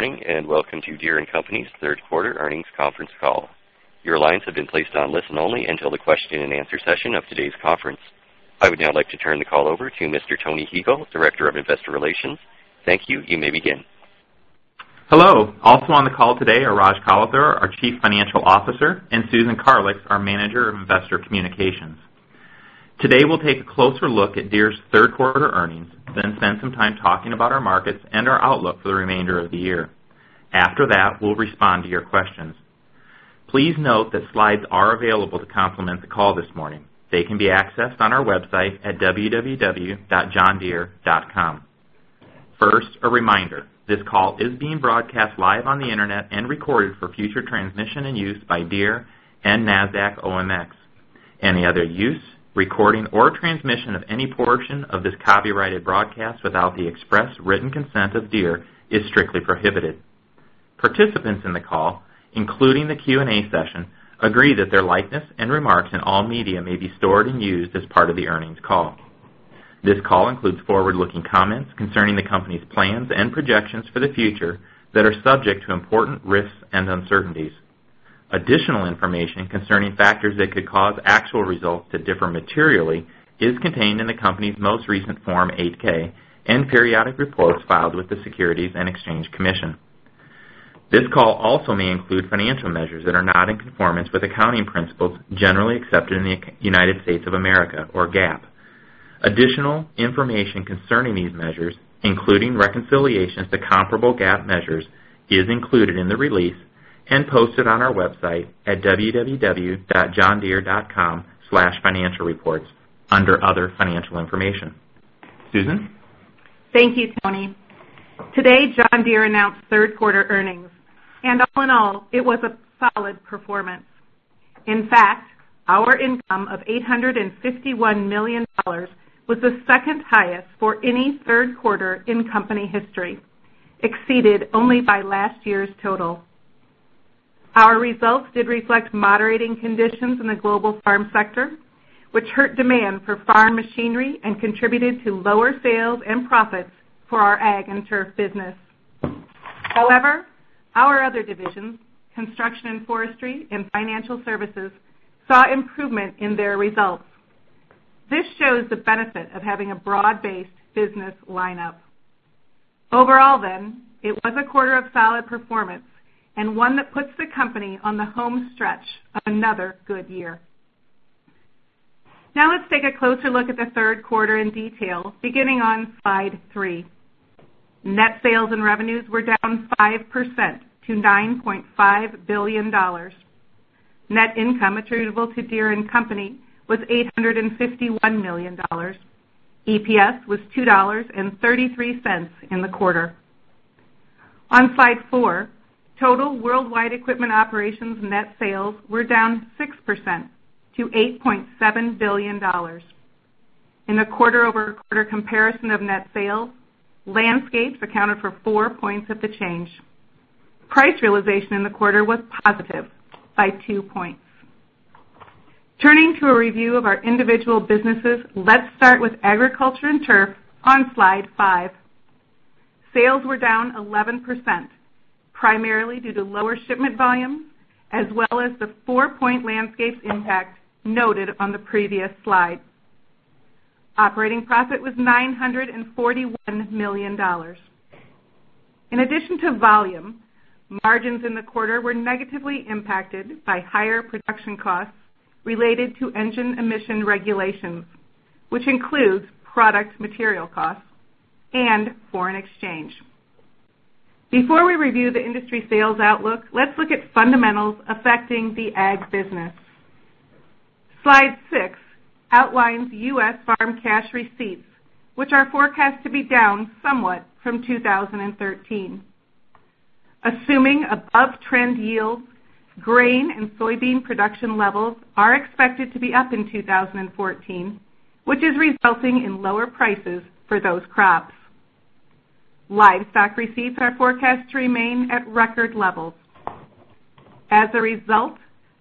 Good morning, welcome to Deere & Company's third quarter earnings conference call. Your lines have been placed on listen only until the question and answer session of today's conference. I would now like to turn the call over to Mr. Tony Huegel, Director of Investor Relations. Thank you. You may begin. Hello. Also on the call today are Raj Kalathur, our Chief Financial Officer, and Susan Karlix, our Manager of Investor Communications. Today, we'll take a closer look at Deere's third quarter earnings, spend some time talking about our markets and our outlook for the remainder of the year. After that, we'll respond to your questions. Please note that slides are available to complement the call this morning. They can be accessed on our website at www.johndeere.com. First, a reminder, this call is being broadcast live on the internet and recorded for future transmission and use by Deere and NASDAQ OMX. Any other use, recording, or transmission of any portion of this copyrighted broadcast without the express written consent of Deere is strictly prohibited. Participants in the call, including the Q&A session, agree that their likeness and remarks in all media may be stored and used as part of the earnings call. This call includes forward-looking comments concerning the company's plans and projections for the future that are subject to important risks and uncertainties. Additional information concerning factors that could cause actual results to differ materially is contained in the company's most recent Form 8-K and periodic reports filed with the Securities and Exchange Commission. This call also may include financial measures that are not in conformance with accounting principles generally accepted in the United States of America, or GAAP. Additional information concerning these measures, including reconciliations to comparable GAAP measures, is included in the release and posted on our website at www.johndeere.com/financialreports under Other Financial Information. Susan? Thank you, Tony. Today, John Deere announced third quarter earnings, all in all, it was a solid performance. In fact, our income of $851 million was the second highest for any third quarter in company history, exceeded only by last year's total. Our results did reflect moderating conditions in the global farm sector, which hurt demand for farm machinery and contributed to lower sales and profits for our Ag and Turf business. However, our other divisions, Construction and Forestry and Financial Services, saw improvement in their results. This shows the benefit of having a broad-based business lineup. Overall, it was a quarter of solid performance and one that puts the company on the home stretch of another good year. Now let's take a closer look at the third quarter in detail, beginning on slide three. Net sales and revenues were down 5% to $9.5 billion. Net income attributable to Deere & Company was $851 million. EPS was $2.33 in the quarter. On slide four, total worldwide equipment operations net sales were down 6% to $8.7 billion. In the quarter-over-quarter comparison of net sales, Landscapes accounted for four points of the change. Price realization in the quarter was positive by two points. Turning to a review of our individual businesses, let's start with Agriculture & Turf on slide five. Sales were down 11%, primarily due to lower shipment volume as well as the four-point Landscapes impact noted on the previous slide. Operating profit was $941 million. In addition to volume, margins in the quarter were negatively impacted by higher production costs related to engine emission regulations, which includes product material costs and foreign exchange. Before we review the industry sales outlook, let's look at fundamentals affecting the Ag business. Slide six outlines U.S. farm cash receipts, which are forecast to be down somewhat from 2013. Assuming above-trend yields, grain and soybean production levels are expected to be up in 2014, which is resulting in lower prices for those crops. Livestock receipts are forecast to remain at record levels. As a result,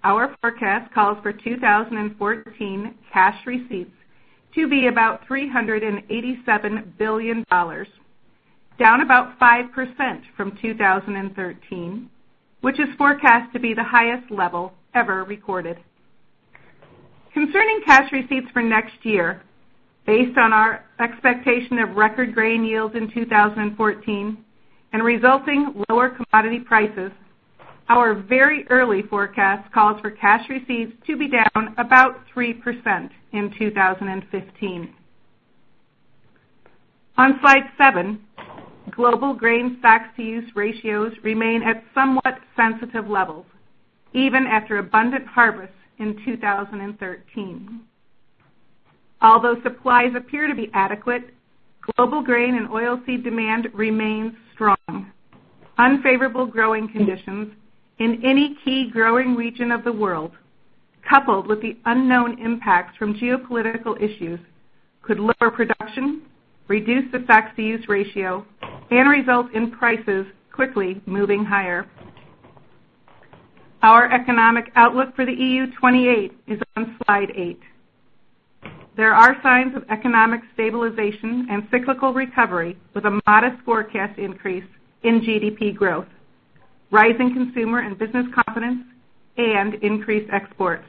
our forecast calls for 2014 cash receipts to be about $387 billion, down about 5% from 2013, which is forecast to be the highest level ever recorded. Concerning cash receipts for next year, based on our expectation of record grain yields in 2014 and resulting lower commodity prices, our very early forecast calls for cash receipts to be down about 3% in 2015. On slide seven, global grain stocks-to-use ratios remain at somewhat sensitive levels, even after abundant harvests in 2013. Although supplies appear to be adequate, global grain and oilseed demand remains strong. Unfavorable growing conditions in any key growing region of the world, coupled with the unknown impacts from geopolitical issues, could lower production, reduce the stocks-to-use ratio, and result in prices quickly moving higher. Our economic outlook for the EU 28 is on slide eight. There are signs of economic stabilization and cyclical recovery with a modest forecast increase in GDP growth, rising consumer and business confidence, and increased exports.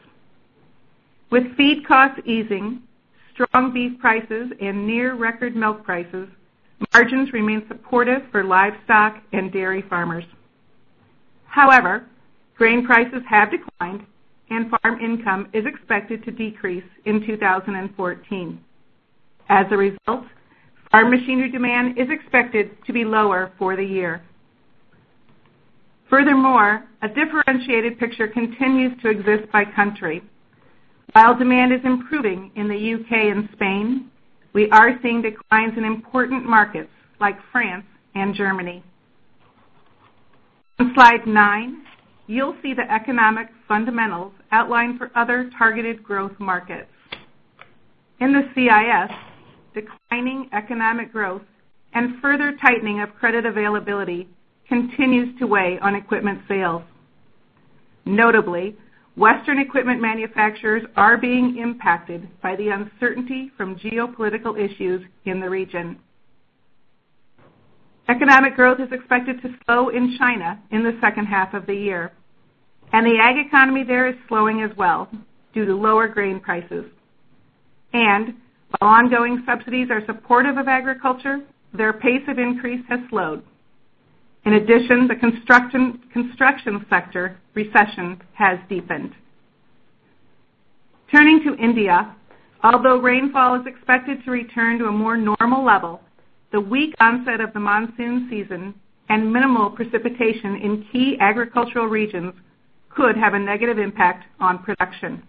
With feed costs easing, strong beef prices, and near record milk prices, margins remain supportive for livestock and dairy farmers. However, grain prices have declined, and farm income is expected to decrease in 2014. As a result, our machinery demand is expected to be lower for the year. Furthermore, a differentiated picture continues to exist by country. While demand is improving in the U.K. and Spain, we are seeing declines in important markets like France and Germany. On slide nine, you'll see the economic fundamentals outlined for other targeted growth markets. In the CIS, declining economic growth and further tightening of credit availability continues to weigh on equipment sales. Notably, Western equipment manufacturers are being impacted by the uncertainty from geopolitical issues in the region. Economic growth is expected to slow in China in the second half of the year, and the ag economy there is slowing as well due to lower grain prices. While ongoing subsidies are supportive of agriculture, their pace of increase has slowed. In addition, the construction sector recession has deepened. Turning to India, although rainfall is expected to return to a more normal level, the weak onset of the monsoon season and minimal precipitation in key agricultural regions could have a negative impact on production.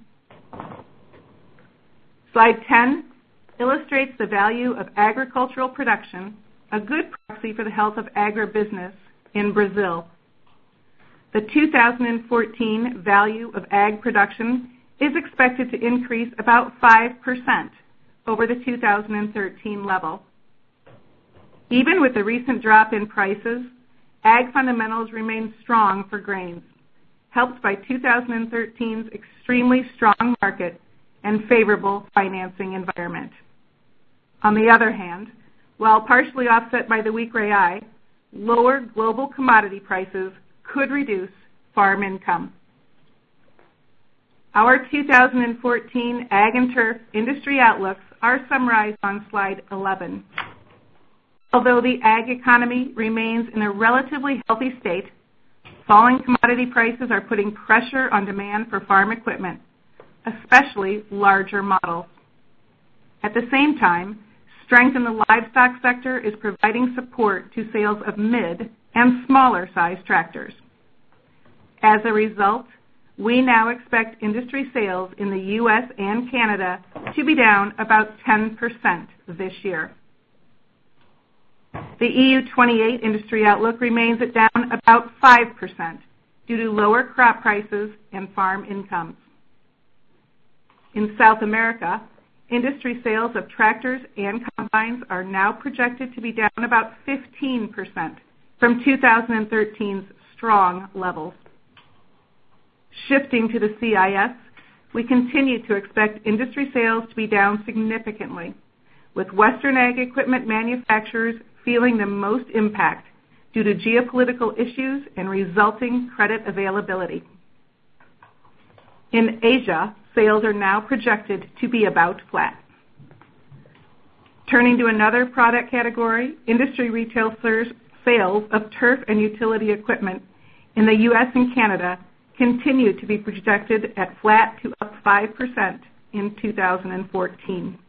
Slide 10 illustrates the value of agricultural production, a good proxy for the health of agribusiness in Brazil. The 2014 value of Ag production is expected to increase about 5% over the 2013 level. Even with the recent drop in prices, Ag fundamentals remain strong for grains, helped by 2013's extremely strong market and favorable financing environment. On the other hand, while partially offset by the weak real, lower global commodity prices could reduce farm income. Our 2014 A&T industry outlooks are summarized on slide 11. Although the Ag economy remains in a relatively healthy state, falling commodity prices are putting pressure on demand for farm equipment, especially larger models. At the same time, strength in the livestock sector is providing support to sales of mid and smaller size tractors. A result, we now expect industry sales in the U.S. and Canada to be down about 10% this year. The EU 28 industry outlook remains at down about 5% due to lower crop prices and farm incomes. In South America, industry sales of tractors and combines are now projected to be down about 15% from 2013's strong levels. Shifting to the CIS, we continue to expect industry sales to be down significantly with Western Ag equipment manufacturers feeling the most impact due to geopolitical issues and resulting credit availability. In Asia, sales are now projected to be about flat. Turning to another product category, industry retail sales of turf and utility equipment in the U.S. and Canada continue to be projected at flat to up 5% in 2014.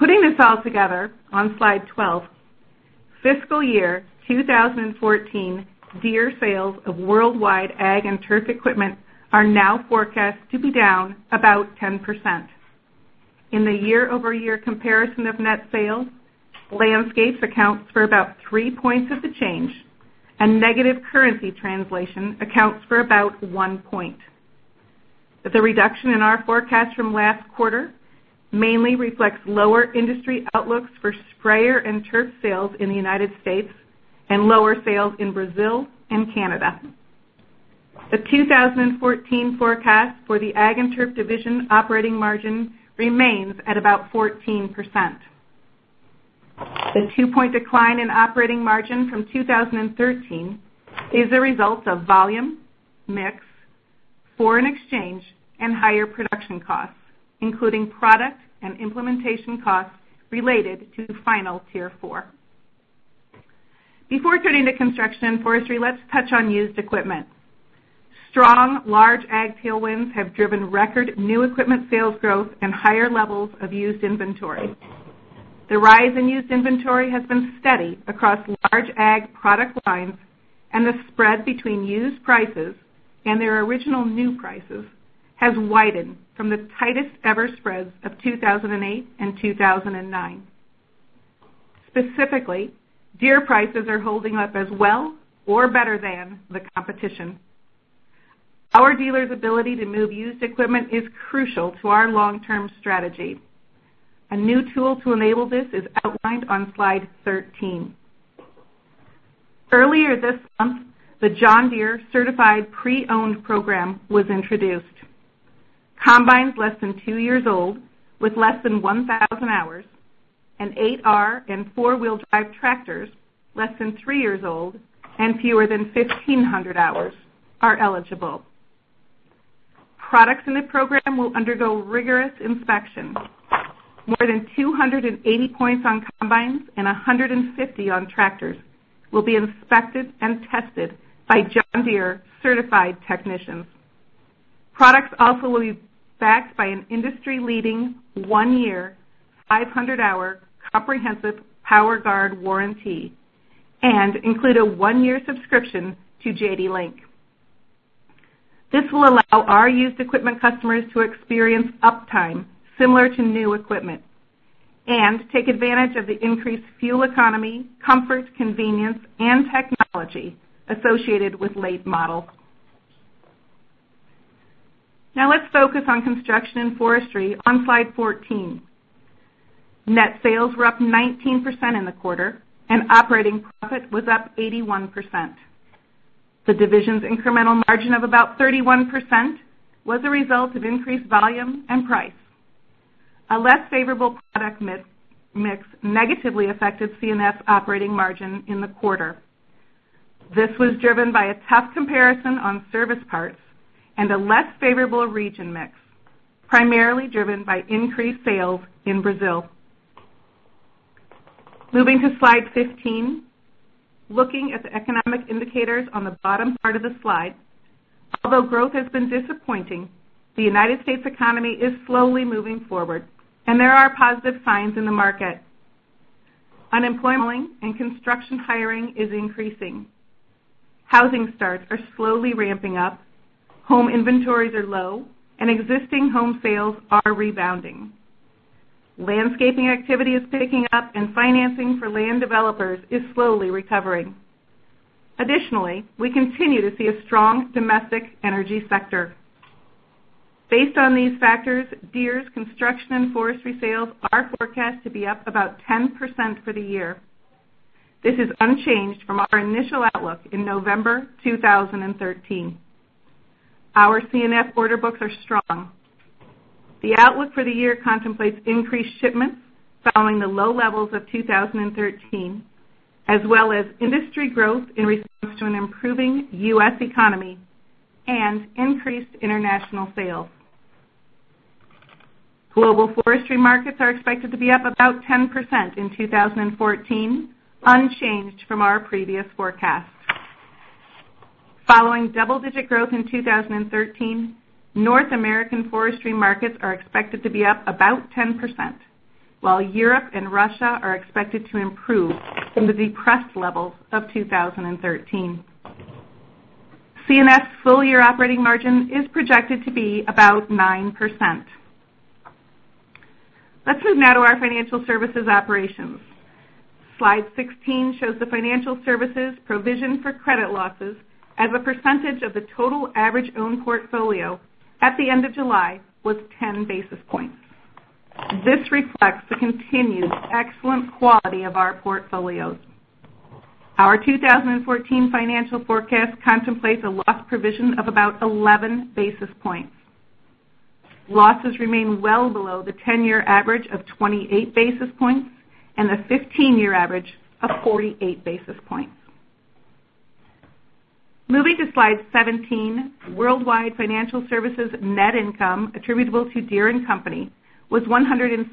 Putting this all together on slide 12, fiscal year 2014 Deere sales of worldwide A&T equipment are now forecast to be down about 10%. In the year-over-year comparison of net sales, Landscapes accounts for about three points of the change, and negative currency translation accounts for about one point. The reduction in our forecast from last quarter mainly reflects lower industry outlooks for sprayers and turf sales in the U.S. and lower sales in Brazil and Canada. The 2014 forecast for the A&T division operating margin remains at about 14%. The two-point decline in operating margin from 2013 is a result of volume, mix, foreign exchange, and higher production costs, including product and implementation costs related to the Final Tier 4. Before turning to construction and forestry, let's touch on used equipment. Strong large Ag tailwinds have driven record new equipment sales growth and higher levels of used inventory. The rise in used inventory has been steady across large Ag product lines, and the spread between used prices and their original new prices has widened from the tightest ever spreads of 2008 and 2009. Specifically, Deere prices are holding up as well or better than the competition. Our dealers' ability to move used equipment is crucial to our long-term strategy. A new tool to enable this is outlined on slide 13. Earlier this month, the John Deere Certified Pre-Owned Program was introduced. combines less than two years old with less than 1,000 hours, and 8R and four-wheel drive tractors less than three years old and fewer than 1,500 hours are eligible. Products in the program will undergo rigorous inspections. More than 280 points on combines and 150 on tractors will be inspected and tested by John Deere certified technicians. Products also will be backed by an industry-leading one-year, 500-hour comprehensive PowerGard warranty and include a one-year subscription to JDLink. This will allow our used equipment customers to experience uptime similar to new equipment and take advantage of the increased fuel economy, comfort, convenience and technology associated with late models. Let's focus on Construction and Forestry on slide 14. Net sales were up 19% in the quarter, operating profit was up 81%. The division's incremental margin of about 31% was a result of increased volume and price. A less favorable product mix negatively affected C&F's operating margin in the quarter. This was driven by a tough comparison on service parts and a less favorable region mix, primarily driven by increased sales in Brazil. Moving to slide 15. Looking at the economic indicators on the bottom part of the slide, although growth has been disappointing, the United States economy is slowly moving forward and there are positive signs in the market. Unemployment and construction hiring is increasing. Housing starts are slowly ramping up, home inventories are low and existing home sales are rebounding. Landscaping activity is picking up and financing for land developers is slowly recovering. We continue to see a strong domestic energy sector. Based on these factors, Deere's Construction and Forestry sales are forecast to be up about 10% for the year. This is unchanged from our initial outlook in November 2013. Our C&F order books are strong. The outlook for the year contemplates increased shipments following the low levels of 2013, as well as industry growth in response to an improving U.S. economy and increased international sales. Global forestry markets are expected to be up about 10% in 2014, unchanged from our previous forecast. Following double-digit growth in 2013, North American forestry markets are expected to be up about 10%, Europe and Russia are expected to improve from the depressed levels of 2013. C&F's full-year operating margin is projected to be about 9%. Let's move now to our Financial Services operations. Slide 16 shows the Financial Services provision for credit losses as a percentage of the total average own portfolio at the end of July was 10 basis points. This reflects the continued excellent quality of our portfolios. Our 2014 financial forecast contemplates a loss provision of about 11 basis points. Losses remain well below the 10-year average of 28 basis points and the 15-year average of 48 basis points. Moving to slide 17, worldwide Financial Services net income attributable to Deere & Company was $162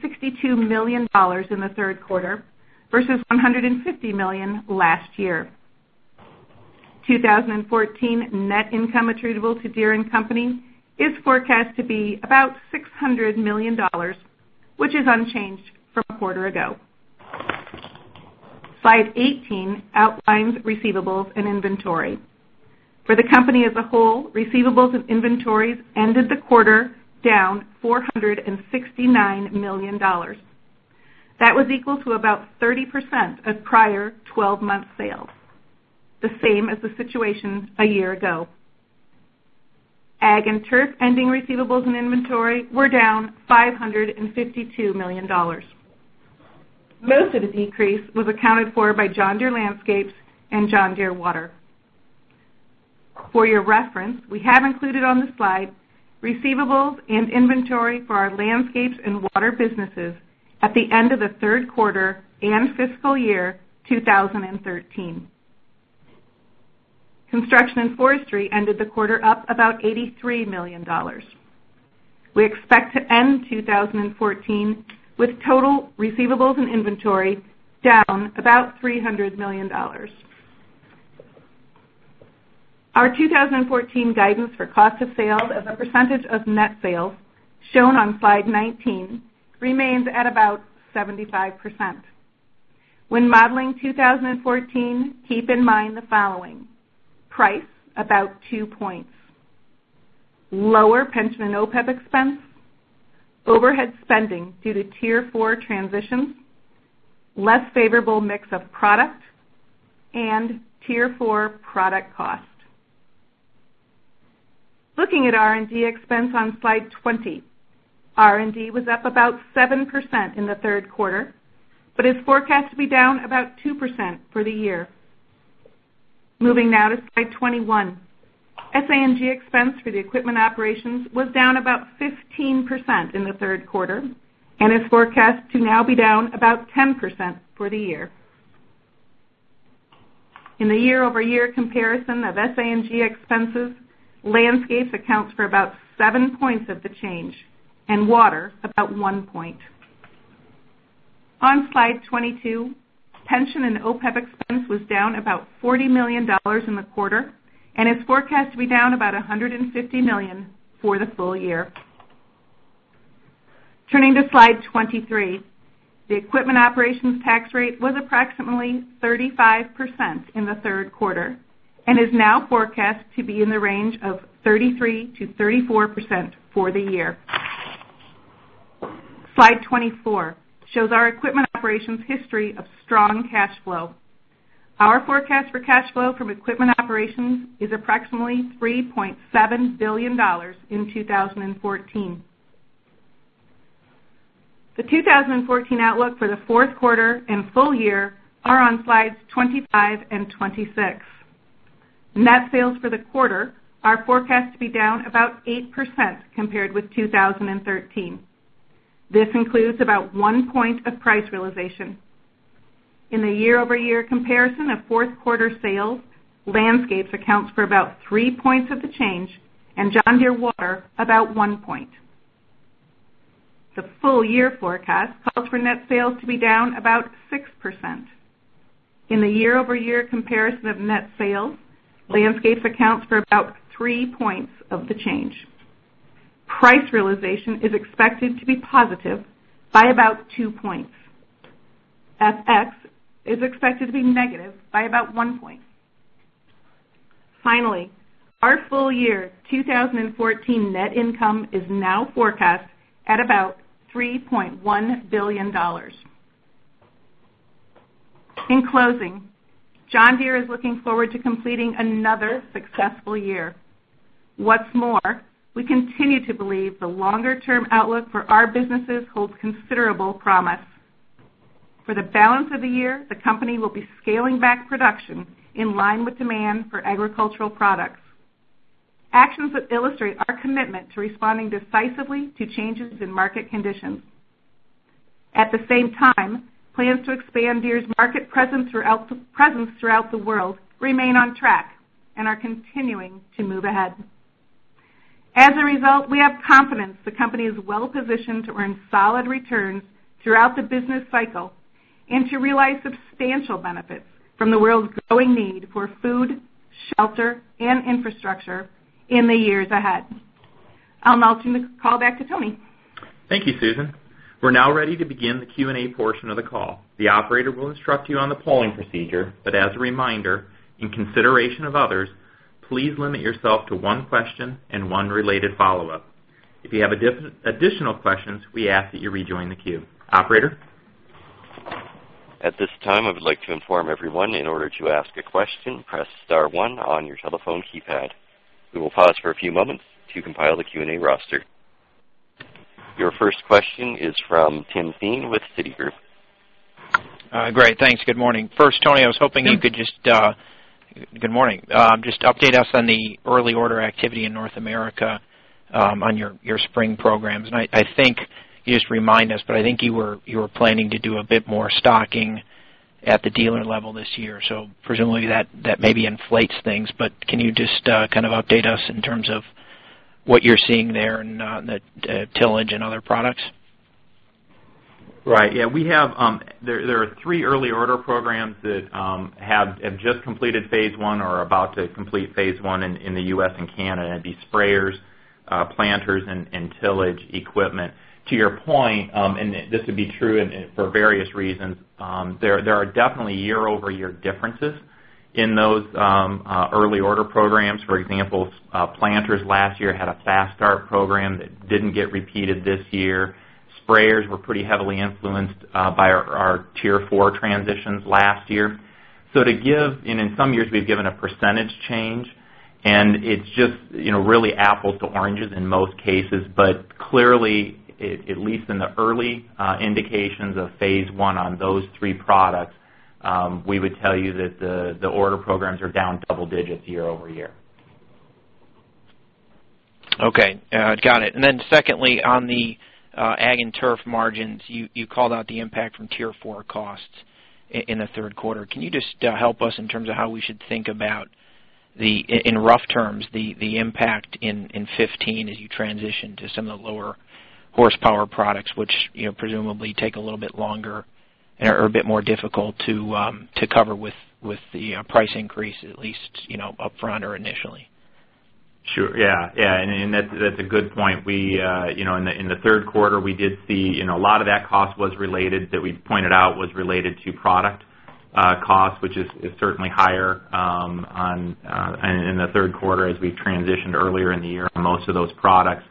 million in the third quarter versus $150 million last year. 2014 net income attributable to Deere & Company is forecast to be about $600 million, which is unchanged from a quarter ago. Slide 18 outlines receivables and inventory. For the company as a whole, receivables and inventories ended the quarter down $469 million. That was equal to about 30% of prior 12-month sales, the same as the situation a year ago. Ag and Turf ending receivables and inventory were down $552 million. Most of the decrease was accounted for by John Deere Landscapes and John Deere Water. For your reference, we have included on the slide receivables and inventory for our Landscapes and Water businesses at the end of the third quarter and fiscal year 2013. Construction and Forestry ended the quarter up about $83 million. We expect to end 2014 with total receivables and inventory down about $300 million. Our 2014 guidance for cost of sales as a percentage of net sales, shown on slide 19, remains at about 75%. When modeling 2014, keep in mind the following. Price, about two points. Lower pension and OPEB expense. Overhead spending due to Tier 4 transitions, less favorable mix of product, and Tier 4 product cost. Looking at R&D expense on slide 20. R&D was up about 7% in the third quarter, but is forecast to be down about 2% for the year. Moving now to slide 21. SG&A expense for the equipment operations was down about 15% in the third quarter, and is forecast to now be down about 10% for the year. In the year-over-year comparison of SG&A expenses, Landscapes accounts for about seven points of the change, and Water about one point. On slide 22, pension and OPEB expense was down about $40 million in the quarter, and is forecast to be down about $150 million for the full year. Turning to slide 23. The equipment operations tax rate was approximately 35% in the third quarter and is now forecast to be in the range of 33%-34% for the year. Slide 24 shows our equipment operations history of strong cash flow. Our forecast for cash flow from equipment operations is approximately $3.7 billion in 2014. The 2014 outlook for the fourth quarter and full year are on slides 25 and 26. Net sales for the quarter are forecast to be down about 8% compared with 2013. This includes about one point of price realization. In the year-over-year comparison of fourth quarter sales, Landscapes accounts for about three points of the change, and John Deere Water about one point. The full-year forecast calls for net sales to be down about 6%. In the year-over-year comparison of net sales, Landscapes accounts for about three points of the change. Price realization is expected to be positive by about two points. FX is expected to be negative by about one point. Finally, our full year 2014 net income is now forecast at about $3.1 billion. In closing, John Deere is looking forward to completing another successful year. What's more, we continue to believe the longer-term outlook for our businesses holds considerable promise. For the balance of the year, the company will be scaling back production in line with demand for agricultural products. Actions that illustrate our commitment to responding decisively to changes in market conditions. At the same time, plans to expand Deere's market presence throughout the world remain on track and are continuing to move ahead. As a result, we have confidence the company is well-positioned to earn solid returns throughout the business cycle and to realize substantial benefits from the world's growing need for food, shelter, and infrastructure in the years ahead. I'll now turn the call back to Tony. Thank you, Susan. We're now ready to begin the Q&A portion of the call. The operator will instruct you on the polling procedure, but as a reminder, in consideration of others, please limit yourself to one question and one related follow-up. If you have additional questions, we ask that you rejoin the queue. Operator? At this time, I would like to inform everyone in order to ask a question, press star one on your telephone keypad. We will pause for a few moments to compile the Q&A roster. Your first question is from Tim Thein with Citigroup. Great. Thanks. Good morning. First, Tony, I was hoping you could Tim. Good morning. Just update us on the early order activity in North America on your spring programs. I think you just remind us, but I think you were planning to do a bit more stocking at the dealer level this year. Presumably, that maybe inflates things, but can you just update us in terms of what you're seeing there in the tillage and other products? Right. There are three early order programs that have just completed phase 1 or are about to complete phase 1 in the U.S. and Canada. It would be sprayers, planters, and tillage equipment. To your point, this would be true for various reasons, there are definitely year-over-year differences in those early order programs. For example, planters last year had a fast start program that didn't get repeated this year. Sprayers were pretty heavily influenced by our Tier 4 transitions last year. In some years we've given a % change, it's just really apples to oranges in most cases. Clearly, at least in the early indications of phase 1 on those 3 products, we would tell you that the order programs are down double-digits year-over-year. Okay. Got it. Secondly, on the Ag and Turf margins, you called out the impact from Tier 4 costs in the third quarter. Can you just help us in terms of how we should think about, in rough terms, the impact in 2015 as you transition to some of the lower horsepower products, which presumably take a little bit longer and are a bit more difficult to cover with the price increase, at least upfront or initially? Sure. Yeah. That's a good point. In the third quarter, we did see a lot of that cost that we pointed out was related to product cost, which is certainly higher in the third quarter as we transitioned earlier in the year on most of those products.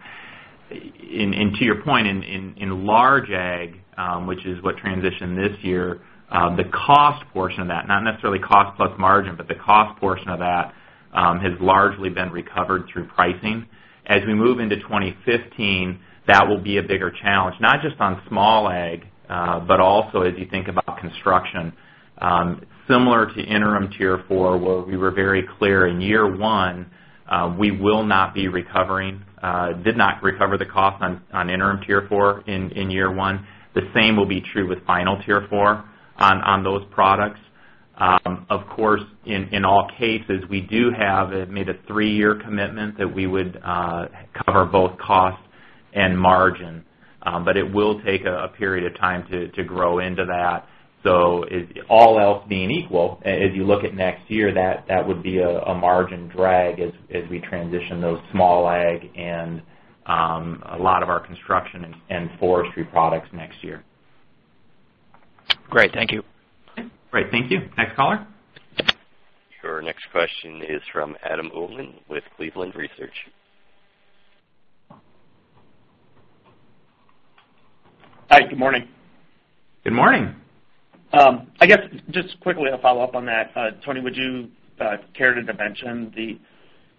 To your point, in large Ag, which is what transitioned this year, the cost portion of that, not necessarily cost plus margin, but the cost portion of that has largely been recovered through pricing. As we move into 2015, that will be a bigger challenge, not just on small Ag, but also as you think about Construction. Similar to Interim Tier 4, where we were very clear in year one, we will not be recovering did not recover the cost on Interim Tier 4 in year one. The same will be true with Final Tier 4 on those products. Of course, in all cases, we do have made a three-year commitment that we would cover both cost and margin. It will take a period of time to grow into that. All else being equal, as you look at next year, that would be a margin drag as we transition those small Ag and a lot of our Construction and Forestry products next year. Great. Thank you. Okay, great. Thank you. Next caller. Sure. Next question is from Adam Uhlman with Cleveland Research. Hi, good morning. Good morning. I guess just quickly a follow-up on that. Tony, would you care to dimension the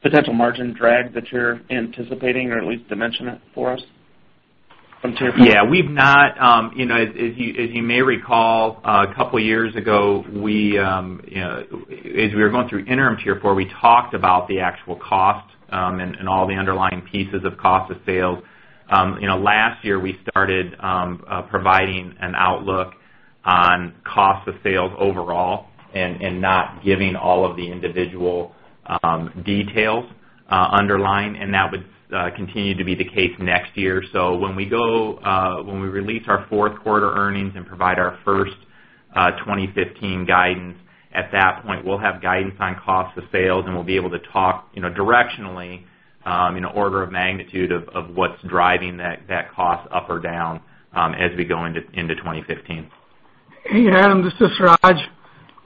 potential margin drag that you're anticipating or at least dimension it for us on Tier 4? Yeah. As you may recall, a couple years ago, as we were going through Interim Tier 4, we talked about the actual cost and all the underlying pieces of cost of sales. Last year, we started providing an outlook on cost of sales overall and not giving all of the individual details underlying, and that would continue to be the case next year. When we release our fourth quarter earnings and provide our first 2015 guidance, at that point, we'll have guidance on cost of sales, and we'll be able to talk directionally in order of magnitude of what's driving that cost up or down as we go into 2015. Hey, Adam, this is Raj.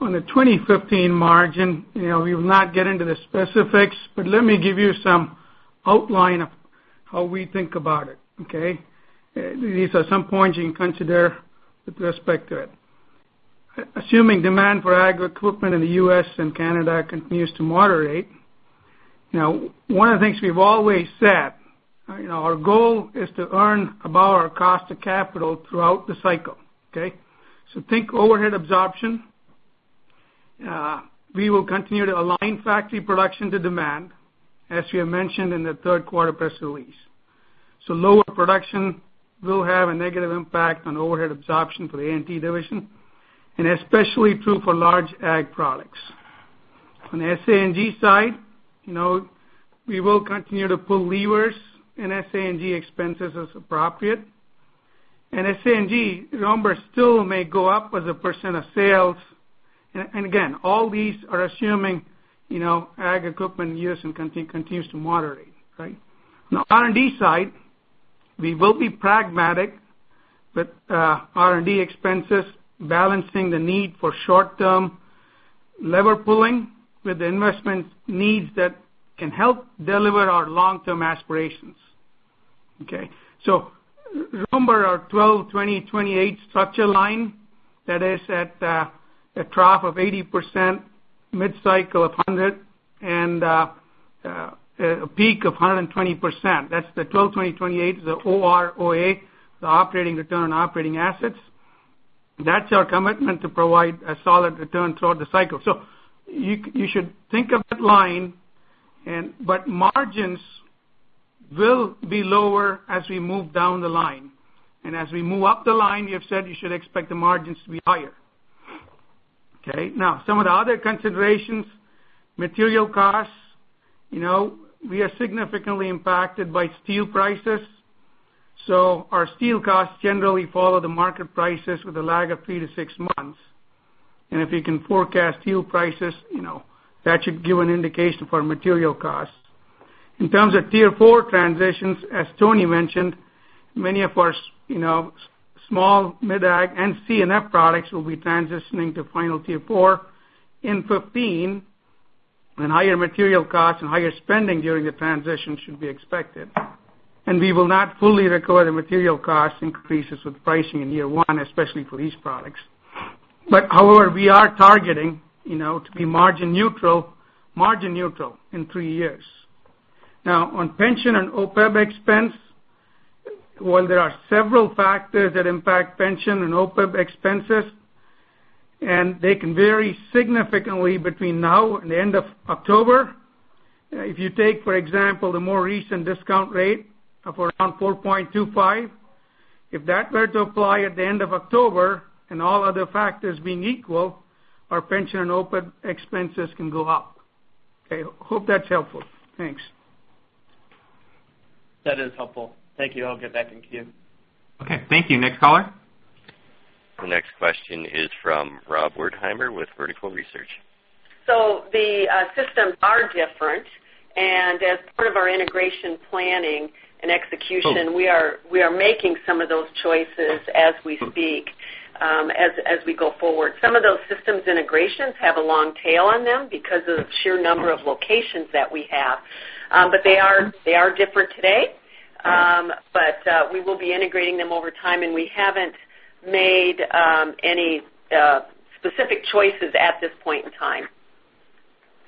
On the 2015 margin, we will not get into the specifics, but let me give you some outline of how we think about it, okay? These are some points you can consider with respect to it. Assuming demand for ag equipment in the U.S. and Canada continues to moderate. One of the things we've always said, our goal is to earn about our cost of capital throughout the cycle. Okay? Think overhead absorption. We will continue to align factory production to demand, as we have mentioned in the third quarter press release. Lower production will have a negative impact on overhead absorption for the A&T division, and especially true for large ag products. On the SG&A side, we will continue to pull levers in SG&A expenses as appropriate. SG&A numbers still may go up as a % of sales. Again, all these are assuming Ag equipment in the U.S. continues to moderate. Right? On the R&D side, we will be pragmatic with R&D expenses, balancing the need for short-term lever-pulling with the investment needs that can help deliver our long-term aspirations. Okay. Remember our 12/20/28 structure line that is at a trough of 80%, mid cycle of 100%, and a peak of 120%. That's the 12/20/28, the OROA, the operating return on operating assets. That's our commitment to provide a solid return throughout the cycle. You should think of that line, but margins will be lower as we move down the line. As we move up the line, we have said you should expect the margins to be higher. Okay? Some of the other considerations, material costs. We are significantly impacted by steel prices, so our steel costs generally follow the market prices with a lag of three to six months. If you can forecast steel prices, that should give an indication for material costs. In terms of Tier 4 transitions, as Tony mentioned, many of our small mid-Ag and C&F products will be transitioning to Final Tier 4 in 2015, and higher material costs and higher spending during the transition should be expected. We will not fully recover the material cost increases with pricing in year one, especially for these products. However, we are targeting to be margin neutral in three years. On pension and OPEB expense, while there are several factors that impact pension and OPEB expenses, and they can vary significantly between now and the end of October. If you take, for example, the more recent discount rate of around 4.25%, if that were to apply at the end of October and all other factors being equal, our pension and OPEB expenses can go up. Hope that's helpful. Thanks. That is helpful. Thank you. I'll get back in queue. Okay. Thank you. Next caller. The next question is from Rob Wertheimer with Vertical Research. The systems are different, and as part of our integration planning and execution. We are making some of those choices as we speak, as we go forward. Some of those systems integrations have a long tail on them because of the sheer number of locations that we have. They are different today. We will be integrating them over time, and we haven't made any specific choices at this point in time.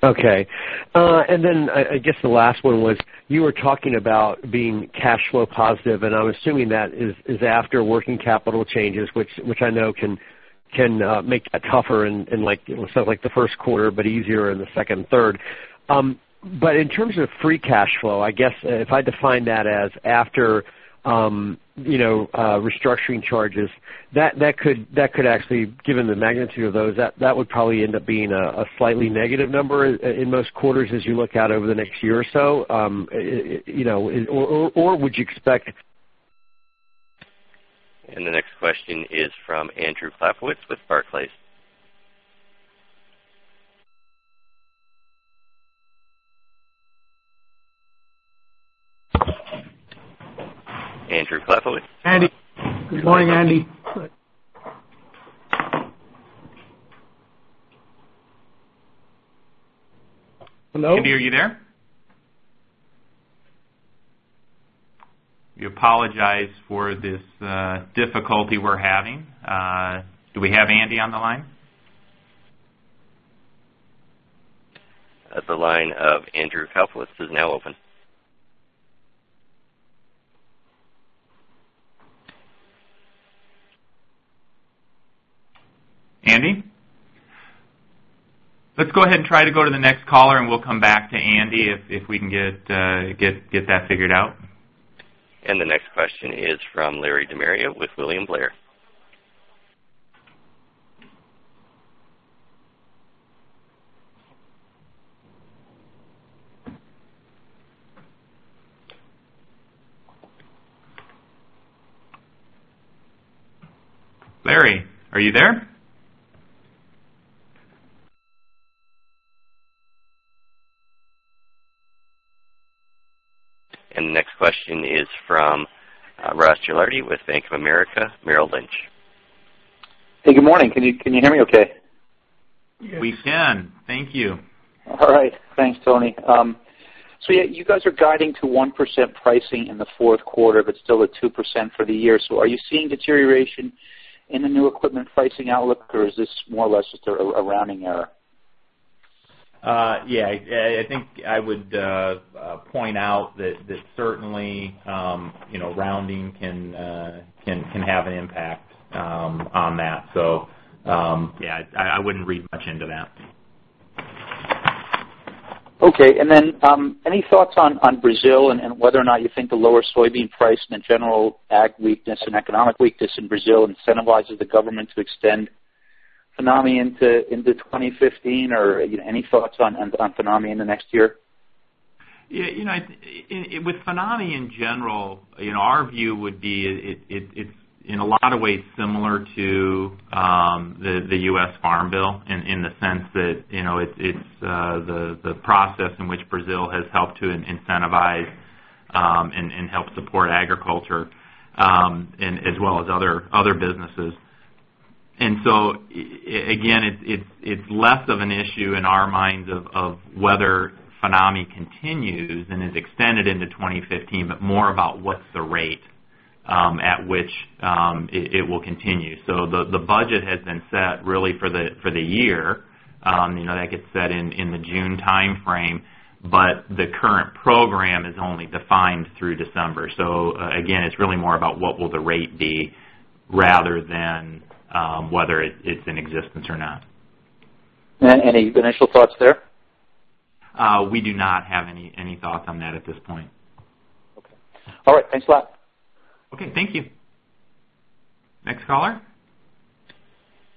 Okay. Then, I guess the last one was, you were talking about being cash flow positive, and I'm assuming that is after working capital changes, which I know can make that tougher in the first quarter, but easier in the second and third. In terms of free cash flow, I guess if I define that as after restructuring charges, that could actually, given the magnitude of those, that would probably end up being a slightly negative number in most quarters as you look out over the next year or so. Would you expect? The next question is from Andrew Kaplowitz with Barclays. Andrew Kaplowitz. Andy. Good morning, Andy. Hello? Andy, are you there? We apologize for this difficulty we're having. Do we have Andy on the line? The line of Andrew Kaplowitz is now open. Andy? Let's go ahead and try to go to the next caller, and we'll come back to Andy if we can get that figured out. The next question is from Larry De Maria with William Blair. Larry, are you there? The next question is from Ross Gilardi with Bank of America Merrill Lynch. Hey, good morning. Can you hear me okay? We can. Thank you. Thanks, Tony. Yeah, you guys are guiding to 1% pricing in the fourth quarter, but still at 2% for the year. Are you seeing deterioration in the new equipment pricing outlook, or is this more or less just a rounding error? Yeah. I think I would point out that certainly rounding can have an impact on that. Yeah, I wouldn't read much into that. Okay. Any thoughts on Brazil and whether or not you think the lower soybean price and general ag weakness and economic weakness in Brazil incentivizes the government to extend FINAME into 2015, or any thoughts on FINAME in the next year? Yeah. With FINAME in general, our view would be it's in a lot of ways similar to the U.S. Farm Bill in the sense that it's the process in which Brazil has helped to incentivize and help support agriculture as well as other businesses. Again, it's less of an issue in our minds of whether FINAME continues and is extended into 2015, but more about what's the rate at which it will continue. The budget has been set really for the year. That gets set in the June timeframe, but the current program is only defined through December. Again, it's really more about what will the rate be rather than whether it's in existence or not. Any initial thoughts there? We do not have any thoughts on that at this point. Okay. All right. Thanks a lot. Okay. Thank you. Next caller.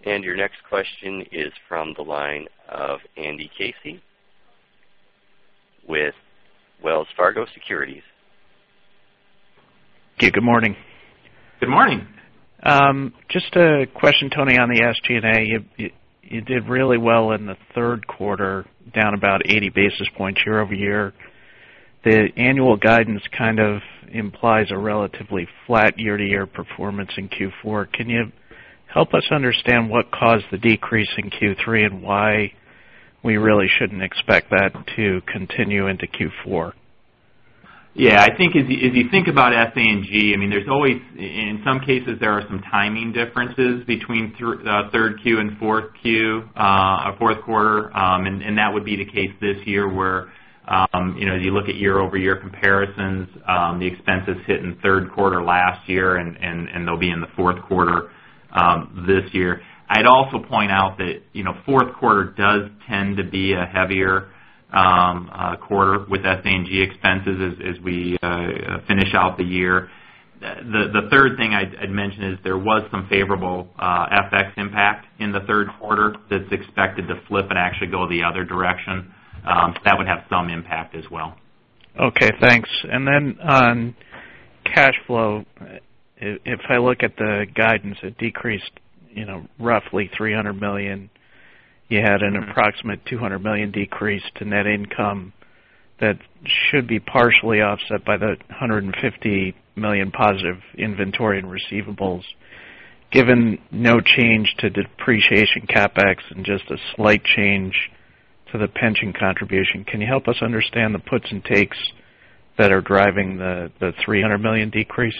Your next question is from the line of Andy Casey with Wells Fargo Securities. Okay. Good morning. Good morning. Just a question, Tony, on the SG&A. You did really well in the third quarter, down about 80 basis points year-over-year. The annual guidance kind of implies a relatively flat year-to-year performance in Q4. Can you help us understand what caused the decrease in Q3 and why we really shouldn't expect that to continue into Q4? Yeah. I think if you think about SG&A, in some cases, there are some timing differences between third Q and fourth quarter, and that would be the case this year where, as you look at year-over-year comparisons, the expenses hit in the third quarter last year, and they'll be in the fourth quarter this year. I'd also point out that fourth quarter does tend to be a heavier quarter with SG&A expenses as we finish out the year. The third thing I'd mention is there was some favorable FX impact in the third quarter that's expected to flip and actually go the other direction. That would have some impact as well. Okay, thanks. Cash flow, if I look at the guidance, it decreased roughly $300 million. You had an approximate $200 million decrease to net income that should be partially offset by the $150 million positive inventory and receivables. Given no change to depreciation CapEx and just a slight change to the pension contribution, can you help us understand the puts and takes that are driving the $300 million decrease?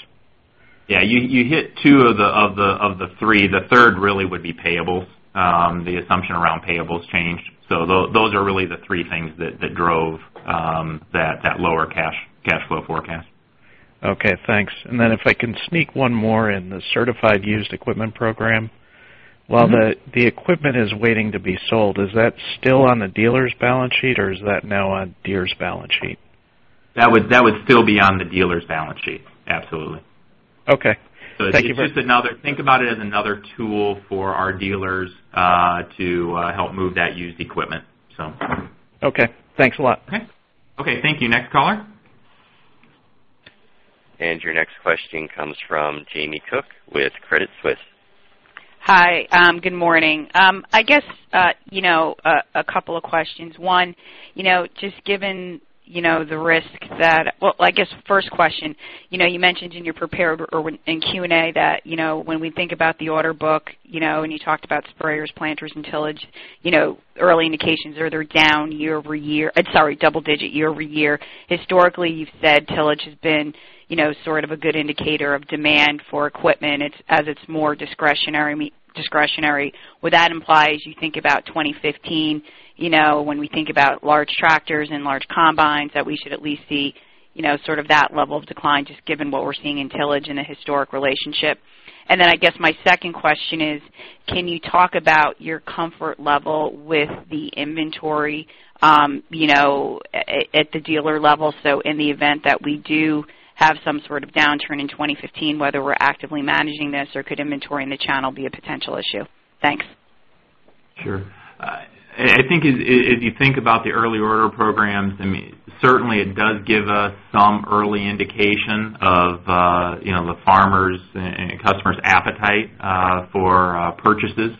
Yeah. You hit two of the three. The third really would be payables. The assumption around payables changed. Those are really the three things that drove that lower cash flow forecast. Okay, thanks. If I can sneak one more in. The Certified Pre-Owned Program. While the equipment is waiting to be sold, is that still on the dealer's balance sheet, or is that now on Deere's balance sheet? That would still be on the dealer's balance sheet. Absolutely. Okay. Thank you. Think about it as another tool for our dealers to help move that used equipment. Okay. Thanks a lot. Okay. Thank you. Next caller. Your next question comes from Jamie Cook with Credit Suisse. Hi. Good morning. I guess, a couple of questions. One, just given the risk that, well, I guess first question, you mentioned in Q&A that when we think about the order book, you talked about sprayers, planters, and tillage, early indications are they're down double-digit year-over-year. Historically, you've said tillage has been sort of a good indicator of demand for equipment as it's more discretionary. Would that imply, as you think about 2015, when we think about large tractors and large combines, that we should at least see sort of that level of decline, just given what we're seeing in tillage and the historic relationship? Then I guess my second question is, can you talk about your comfort level with the inventory at the dealer level? In the event that we do have some sort of downturn in 2015, whether we're actively managing this or could inventory in the channel be a potential issue? Thanks. Sure. I think if you think about the early order programs, certainly it does give us some early indication of the farmers' and customers' appetite for purchases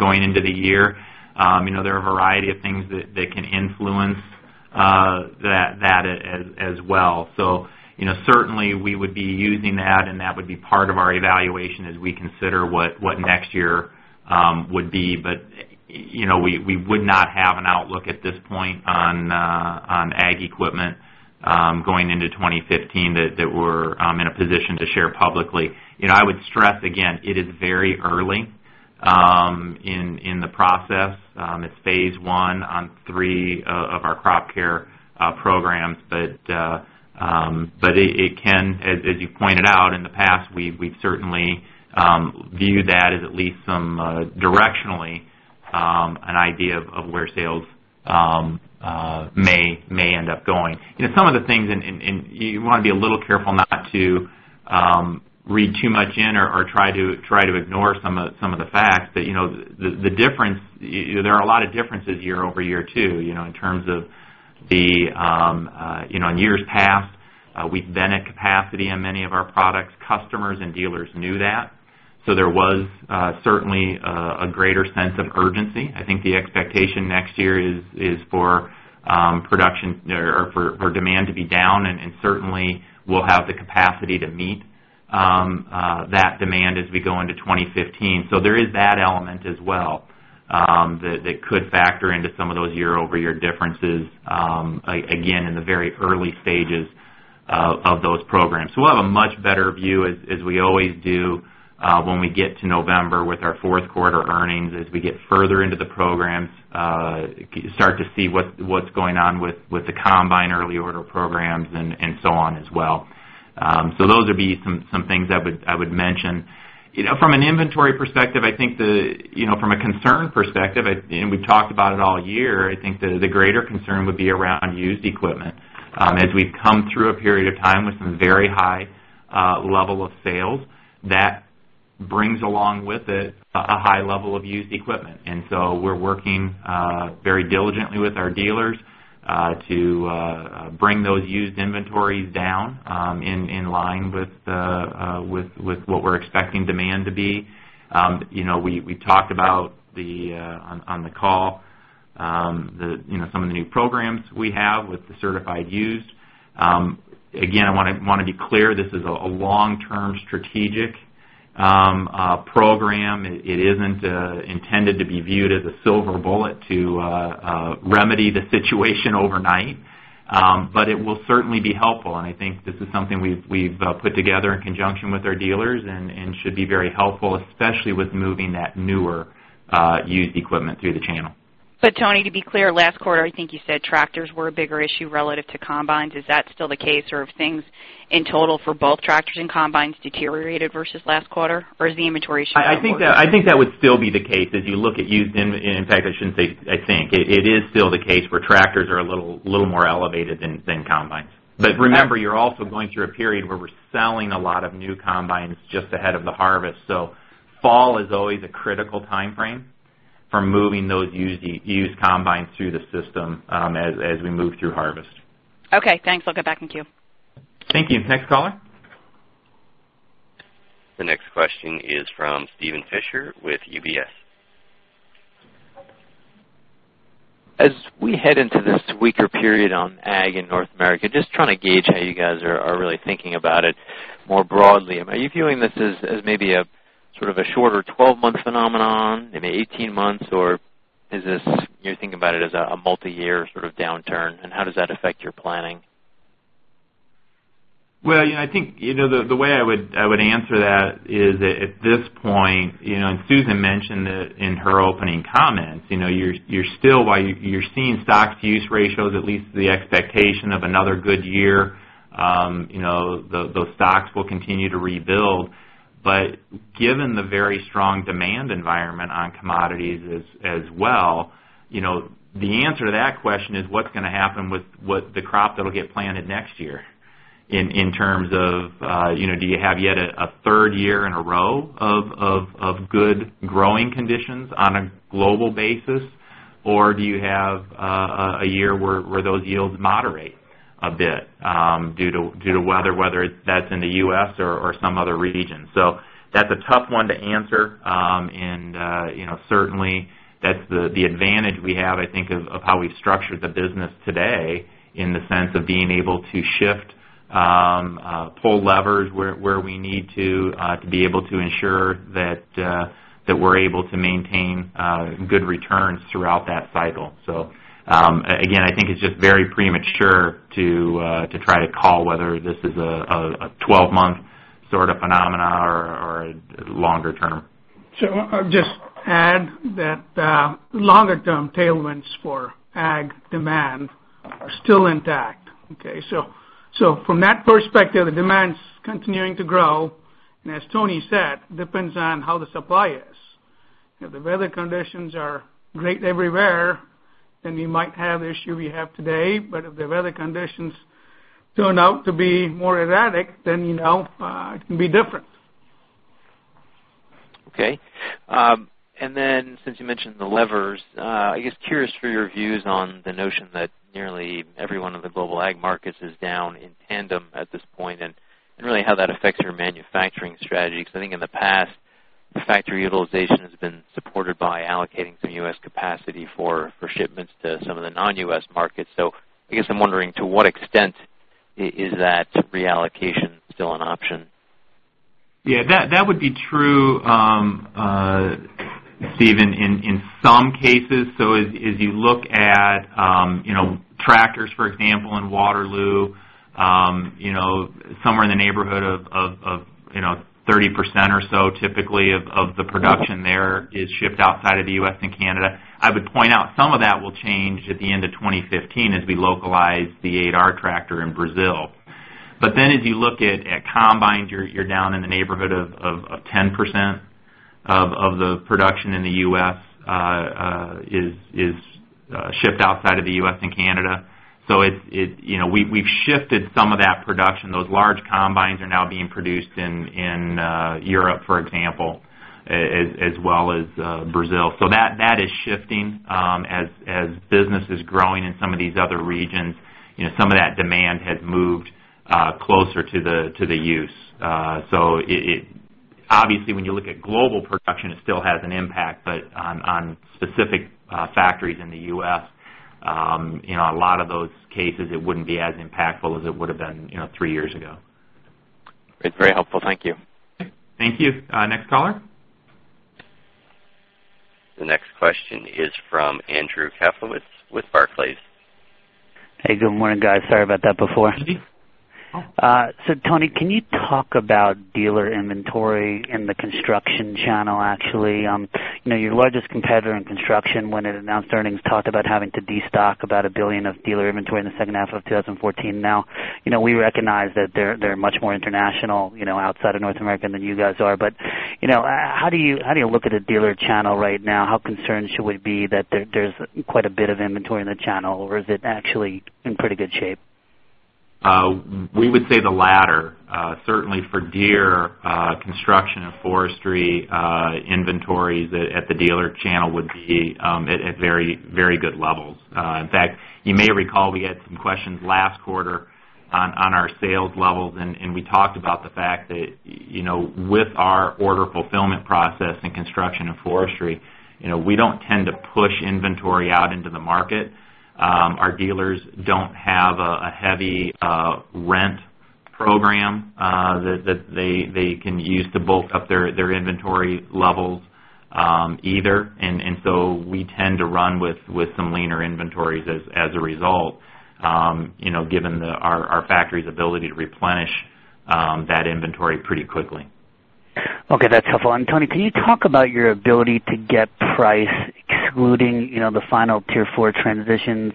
going into the year. There are a variety of things that can influence that as well. Certainly we would be using that, and that would be part of our evaluation as we consider what next year would be. We would not have an outlook at this point on ag equipment going into 2015 that we're in a position to share publicly. I would stress, again, it is very early in the process. It's phase 1 on 3 of our crop care programs. It can, as you pointed out, in the past, we've certainly viewed that as at least some directionally, an idea of where sales may end up going. Some of the things, you want to be a little careful not to read too much in or try to ignore some of the facts, there are a lot of differences year-over-year, too, in terms of the years past, we've been at capacity on many of our products. Customers and dealers knew that. There was certainly a greater sense of urgency. I think the expectation next year is for demand to be down, and certainly we'll have the capacity to meet that demand as we go into 2015. There is that element as well that could factor into some of those year-over-year differences, again, in the very early stages of those programs. We'll have a much better view, as we always do when we get to November with our fourth quarter earnings, as we get further into the programs, start to see what's going on with the combine early order programs and so on as well. Those would be some things I would mention. From an inventory perspective, I think from a concern perspective, we've talked about it all year, I think the greater concern would be around used equipment. As we've come through a period of time with some very high level of sales, that brings along with it a high level of used equipment. We're working very diligently with our dealers to bring those used inventories down in line with what we're expecting demand to be. We talked about, on the call, some of the new programs we have with the Certified used. I want to be clear, this is a long-term strategic program. It isn't intended to be viewed as a silver bullet to remedy the situation overnight. It will certainly be helpful, and I think this is something we've put together in conjunction with our dealers and should be very helpful, especially with moving that newer used equipment through the channel. Tony, to be clear, last quarter, I think you said tractors were a bigger issue relative to combines. Is that still the case? Or have things in total for both tractors and combines deteriorated versus last quarter? Or is the inventory issue- I think that would still be the case as you look at used. In fact, I shouldn't say I think. It is still the case where tractors are a little more elevated than combines. Remember, you're also going through a period where we're selling a lot of new combines just ahead of the harvest. Fall is always a critical timeframe for moving those used combines through the system as we move through harvest. Okay, thanks. I'll get back in queue. Thank you. Next caller. The next question is from Steven Fisher with UBS. As we head into this weaker period on ag in North America, just trying to gauge how you guys are really thinking about it more broadly. Are you viewing this as maybe a sort of a shorter 12-month phenomenon, maybe 18 months, or you think about it as a multi-year sort of downturn, and how does that affect your planning? Well, I think the way I would answer that is that at this point, and Susan mentioned it in her opening comments, you're seeing stocks use ratios, at least the expectation of another good year. Those stocks will continue to rebuild. Given the very strong demand environment on commodities as well, the answer to that question is what's going to happen with the crop that'll get planted next year in terms of do you have yet a third year in a row of good growing conditions on a global basis, or do you have a year where those yields moderate a bit due to weather, whether that's in the U.S. or some other region? That's a tough one to answer. Certainly, that's the advantage we have, I think, of how we've structured the business today in the sense of being able to shift, pull levers where we need to be able to ensure that we're able to maintain good returns throughout that cycle. Again, I think it's just very premature to try to call whether this is a 12-month sort of phenomena or longer term. I'll just add that longer term tailwinds for Ag demand are still intact. Okay, from that perspective, the demand's continuing to grow, and as Tony said, depends on how the supply is. If the weather conditions are great everywhere, then you might have the issue we have today. If the weather conditions turn out to be more erratic, then it can be different. Okay. Then since you mentioned the levers, I guess curious for your views on the notion that nearly every one of the global ag markets is down in tandem at this point, and really how that affects your manufacturing strategy. I think in the past, factory utilization has been supported by allocating some U.S. capacity for shipments to some of the non-U.S. markets. I guess I'm wondering to what extent is that reallocation still an option? Yeah, that would be true, Steven, in some cases. As you look at tractors, for example, in Waterloo, somewhere in the neighborhood of 30% or so, typically of the production there is shipped outside of the U.S. and Canada. I would point out some of that will change at the end of 2015 as we localize the 8R tractor in Brazil. As you look at combines, you're down in the neighborhood of 10% of the production in the U.S. is shipped outside of the U.S. and Canada. We've shifted some of that production. Those large combines are now being produced in Europe, for example, as well as Brazil. That is shifting as business is growing in some of these other regions, some of that demand has moved closer to the use. Obviously, when you look at global production, it still has an impact, but on specific factories in the U.S., a lot of those cases, it wouldn't be as impactful as it would have been three years ago. It's very helpful. Thank you. Thank you. Next caller. The next question is from Andrew Kaplowitz with Barclays. Hey, good morning, guys. Sorry about that before. No worries. Tony, can you talk about dealer inventory in the construction channel, actually? Your largest competitor in construction when it announced earnings, talked about having to destock about $1 billion of dealer inventory in the second half of 2014. We recognize that they're much more international outside of North America than you guys are. How do you look at a dealer channel right now? How concerned should we be that there's quite a bit of inventory in the channel, or is it actually in pretty good shape? We would say the latter. Certainly for Deere, construction and forestry inventories at the dealer channel would be at very good levels. In fact, you may recall we had some questions last quarter on our sales levels, and we talked about the fact that with our order fulfillment process in construction and forestry, we don't tend to push inventory out into the market. Our dealers don't have a heavy rent program that they can use to bulk up their inventory levels either. We tend to run with some leaner inventories as a result given our factory's ability to replenish that inventory pretty quickly. Okay. That's helpful. Tony, can you talk about your ability to get price excluding the Final Tier 4 transitions?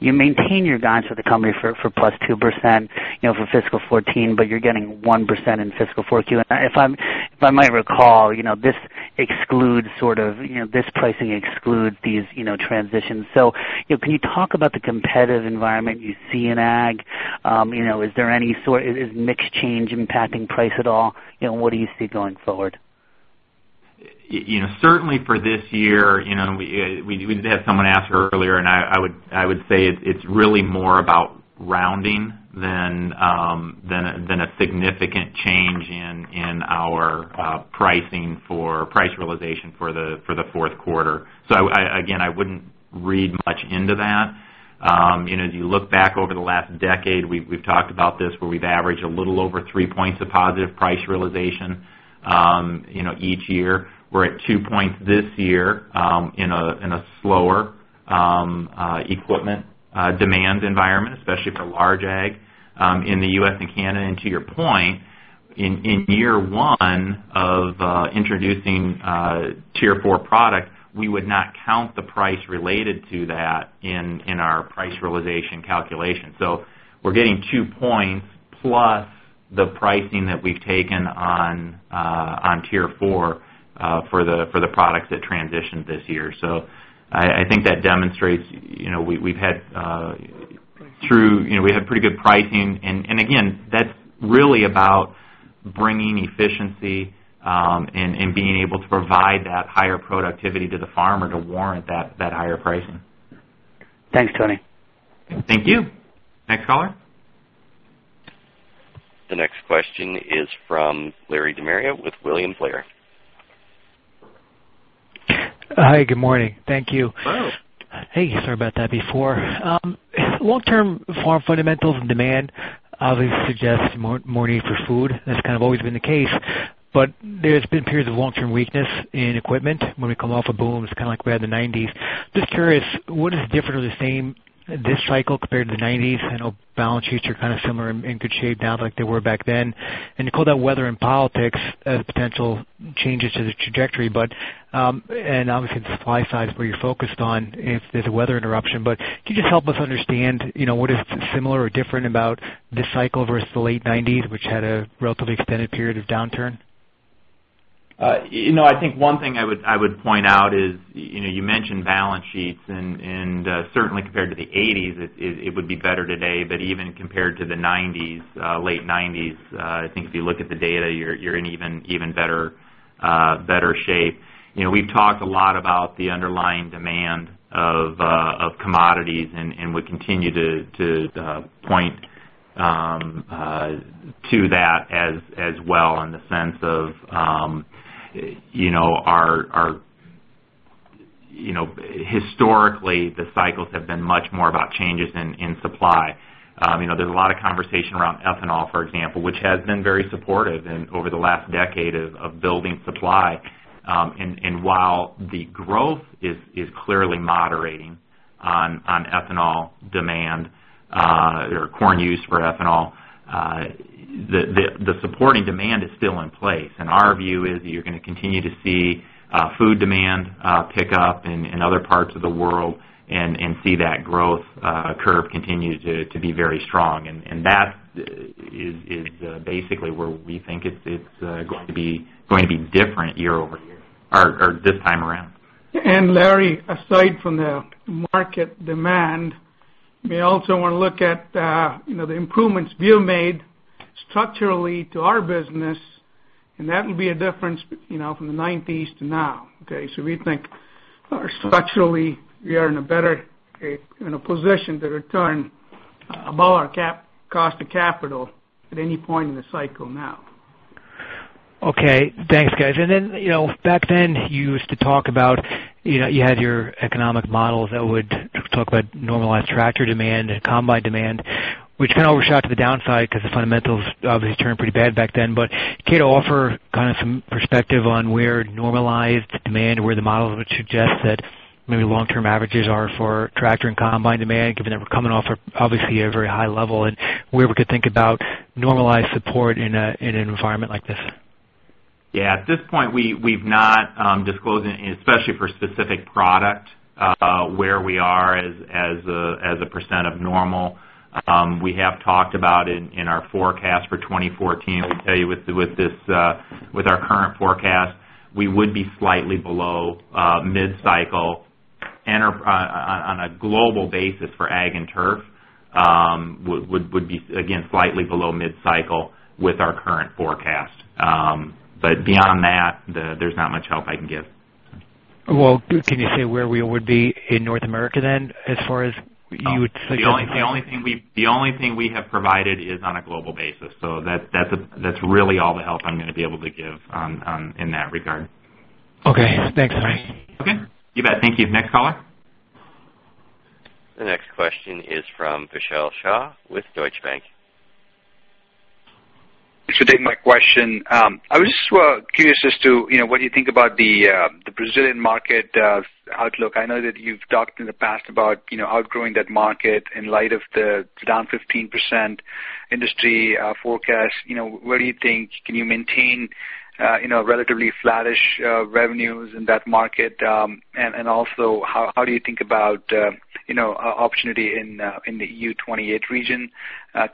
You maintain your guidance for the company for +2% for FY 2014, but you're getting 1% in fiscal fourth Q. If I might recall, this pricing excludes these transitions. Can you talk about the competitive environment you see in ag? Is mix change impacting price at all? What do you see going forward? Certainly for this year, we did have someone ask earlier, I would say it's really more about rounding than a significant change in our pricing for price realization for the fourth quarter. Again, I wouldn't read much into that. As you look back over the last decade, we've talked about this, where we've averaged a little over three points of positive price realization each year. We're at two points this year in a slower equipment demand environment, especially for large ag in the U.S. and Canada. To your point, in year one of introducing Tier 4 product, we would not count the price related to that in our price realization calculation. I think that demonstrates we've had pretty good pricing. Again, that's really about bringing efficiency and being able to provide that higher productivity to the farmer to warrant that higher pricing. Thanks, Tony. Thank you. Next caller. The next question is from Larry De Maria with William Blair. Hi, good morning. Thank you. Hi. Hey, sorry about that before. Long-term farm fundamentals and demand obviously suggests more need for food. That's kind of always been the case. There's been periods of long-term weakness in equipment when we come off a boom, kind of like we had in the '90s. Just curious, what is different or the same this cycle compared to the '90s? I know balance sheets are kind of similar, in good shape now like they were back then. You called out weather and politics as potential changes to the trajectory, and obviously the supply side is where you're focused on if there's a weather interruption. Could you just help us understand what is similar or different about this cycle versus the late '90s, which had a relatively extended period of downturn? I think one thing I would point out is, you mentioned balance sheets, and certainly compared to the '80s, it would be better today. Even compared to the '90s, late '90s, I think if you look at the data, you're in even better shape. We've talked a lot about the underlying demand of commodities and would continue to point to that as well in the sense of historically, the cycles have been much more about changes in supply. There's a lot of conversation around ethanol, for example, which has been very supportive over the last decade of building supply. While the growth is clearly moderating on ethanol demand or corn use for ethanol, the supporting demand is still in place. Our view is that you're going to continue to see food demand pick up in other parts of the world and see that growth curve continue to be very strong. That is basically where we think it's going to be different year-over-year or this time around. Larry, aside from the market demand, we also want to look at the improvements we have made structurally to our business, and that will be a difference from the '90s to now. Okay, we think structurally we are in a better position to return above our cost of capital at any point in the cycle now. Okay, thanks guys. Back then you used to talk about you had your economic models that would talk about normalized tractor demand and combine demand, which kind of overshot to the downside because the fundamentals obviously turned pretty bad back then. Can you offer some perspective on where normalized demand or where the models would suggest that maybe long-term averages are for tractor and combine demand, given that we're coming off obviously a very high level and where we could think about normalized support in an environment like this? Yeah. At this point we've not disclosed, especially for specific product, where we are as a % of normal. We have talked about it in our forecast for 2014. We tell you with our current forecast, we would be slightly below mid-cycle on a global basis for ag and turf would be again slightly below mid-cycle with our current forecast. Beyond that, there's not much help I can give. Well, can you say where we would be in North America as far as you would suggest? The only thing we have provided is on a global basis. That's really all the help I'm going to be able to give in that regard. Okay, thanks Tony. Okay, you bet. Thank you. Next caller. The next question is from Vishal Shah with Deutsche Bank. Sure thing. My question, I was just curious as to what you think about the Brazilian market outlook. I know that you've talked in the past about outgrowing that market in light of the down 15% industry forecast. Where do you think can you maintain relatively flattish revenues in that market? Also how do you think about opportunity in the EU 28 region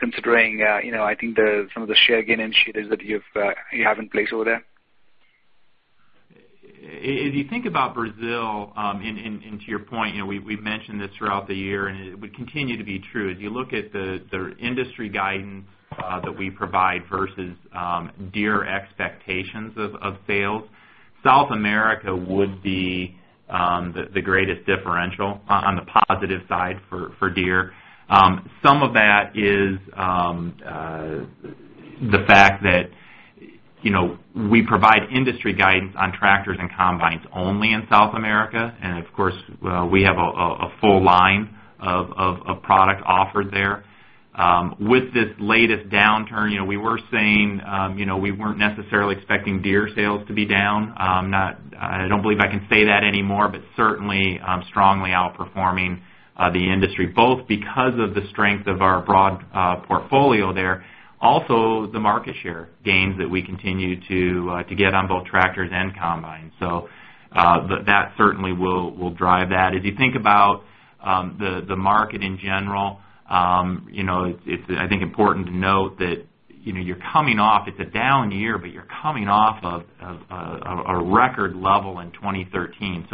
considering I think some of the share gain initiatives that you have in place over there? If you think about Brazil, and to your point, we've mentioned this throughout the year, and it would continue to be true. If you look at the industry guidance that we provide versus Deere expectations of sales, South America would be the greatest differential on the positive side for Deere. Some of that is the fact that we provide industry guidance on tractors and combines only in South America, and of course, we have a full line of product offered there. With this latest downturn, we were saying we weren't necessarily expecting Deere sales to be down. I don't believe I can say that anymore, but certainly, strongly outperforming the industry, both because of the strength of our broad portfolio there, also the market share gains that we continue to get on both tractors and combines. That certainly will drive that. If you think about the market in general, it's, I think, important to note that it's a down year, but you're coming off of a record level in 2013.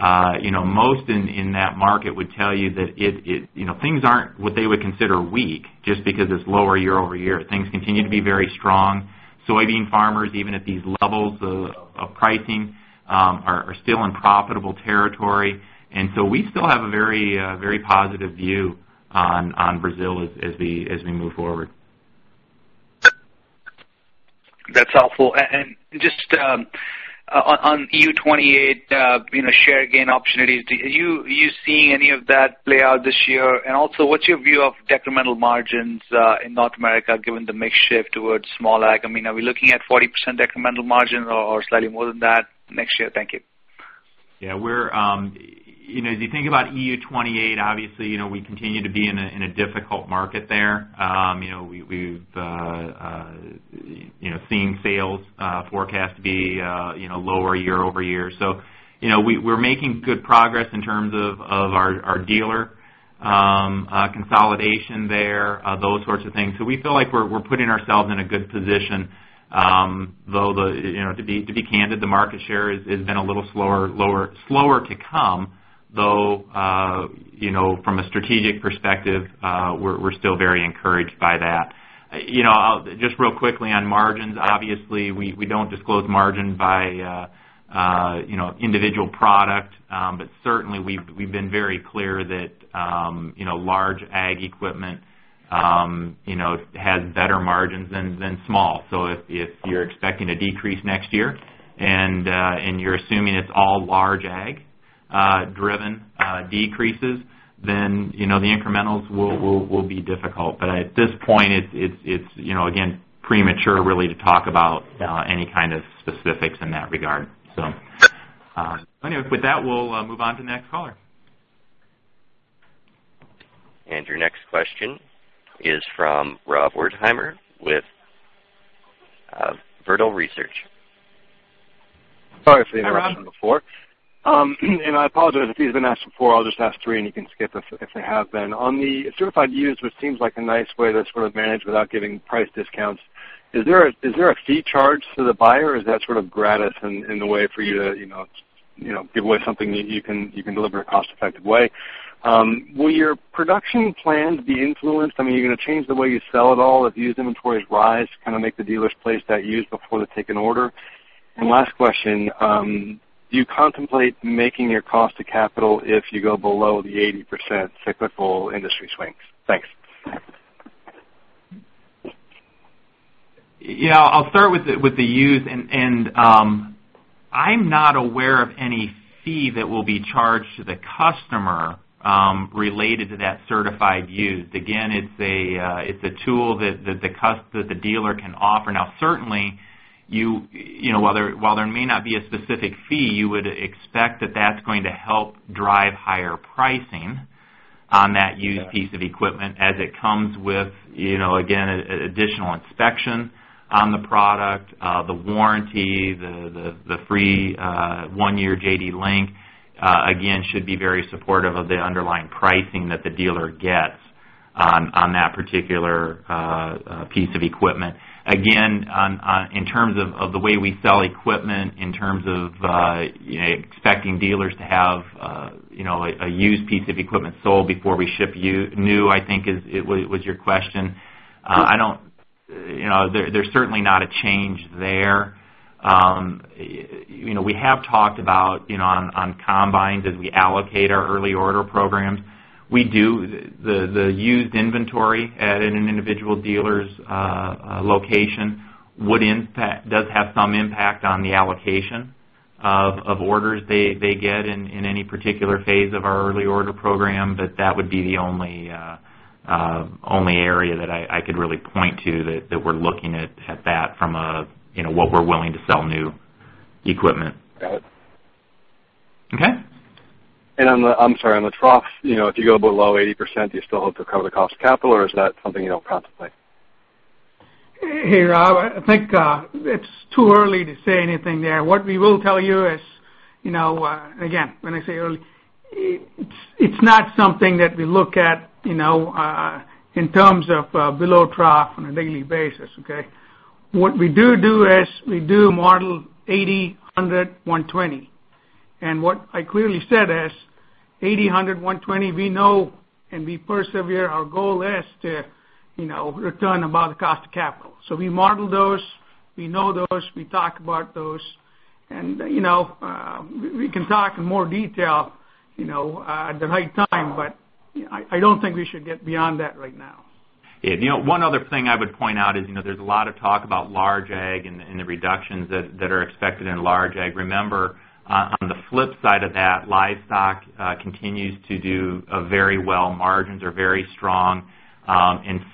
Most in that market would tell you that things aren't what they would consider weak, just because it's lower year-over-year. Things continue to be very strong. Soybean farmers, even at these levels of pricing, are still in profitable territory. We still have a very positive view on Brazil as we move forward. That's helpful. Just on EU 28 share gain opportunities, are you seeing any of that play out this year? Also, what's your view of decremental margins in North America, given the mix shift towards small ag? Are we looking at 40% decremental margins or slightly more than that next year? Thank you. Yeah. If you think about EU 28, obviously, we continue to be in a difficult market there. We've seen sales forecast be lower year-over-year. We're making good progress in terms of our dealer consolidation there, those sorts of things. We feel like we're putting ourselves in a good position. Though, to be candid, the market share has been a little slower to come, though from a strategic perspective, we're still very encouraged by that. Just real quickly on margins, obviously, we don't disclose margin by individual product. Certainly, we've been very clear that large ag equipment has better margins than small. If you're expecting a decrease next year and you're assuming it's all large ag-driven decreases, then the incrementals will be difficult. At this point, it's, again, premature, really, to talk about any kind of specifics in that regard. Anyway, with that, we'll move on to the next caller. Your next question is from Rob Wertheimer with Vertical Research. Sorry for the interruption before. I apologize if these have been asked before. I'll just ask three, and you can skip if they have been. On the certified used, which seems like a nice way to sort of manage without giving price discounts, is there a fee charged to the buyer, or is that sort of gratis in the way for you to give away something that you can deliver in a cost-effective way? Will your production plans be influenced? Are you going to change the way you sell it all if used inventories rise to kind of make the dealers place that used before they take an order? Last question, do you contemplate making your cost to capital if you go below the 80% cyclical industry swings? Thanks. Yeah. I'll start with the used. I'm not aware of any fee that will be charged to the customer related to that certified used. Again, it's a tool that the dealer can offer. Now, certainly, while there may not be a specific fee, you would expect that that's going to help drive higher pricing on that used piece of equipment as it comes with, again, additional inspection on the product. The warranty, the free one-year JDLink, again, should be very supportive of the underlying pricing that the dealer gets on that particular piece of equipment. Again, in terms of the way we sell equipment, in terms of expecting dealers to have a used piece of equipment sold before we ship new, I think was your question. Yes. There's certainly not a change there. We have talked about on combines, as we allocate our early order programs. The used inventory at an individual dealer's location does have some impact on the allocation of orders they get in any particular phase of our early order program. That would be the only area that I could really point to that we're looking at that from a what we're willing to sell new equipment. Got it. Okay. I'm sorry, on the trough, if you go below 80%, do you still hope to cover the cost of capital, or is that something you don't contemplate? Hey, Rob. I think it's too early to say anything there. What we will tell you is Again, when I say early, it's not something that we look at in terms of below trough on a daily basis, okay? What we do is we do model 80, 100, 120. What I clearly said is 80, 100, 120 we know and we persevere. Our goal is to return above the cost of capital. We model those, we know those, we talk about those, and we can talk in more detail at the right time, but I don't think we should get beyond that right now. One other thing I would point out is there's a lot of talk about large ag and the reductions that are expected in large ag. Remember, on the flip side of that, livestock continues to do very well. Margins are very strong.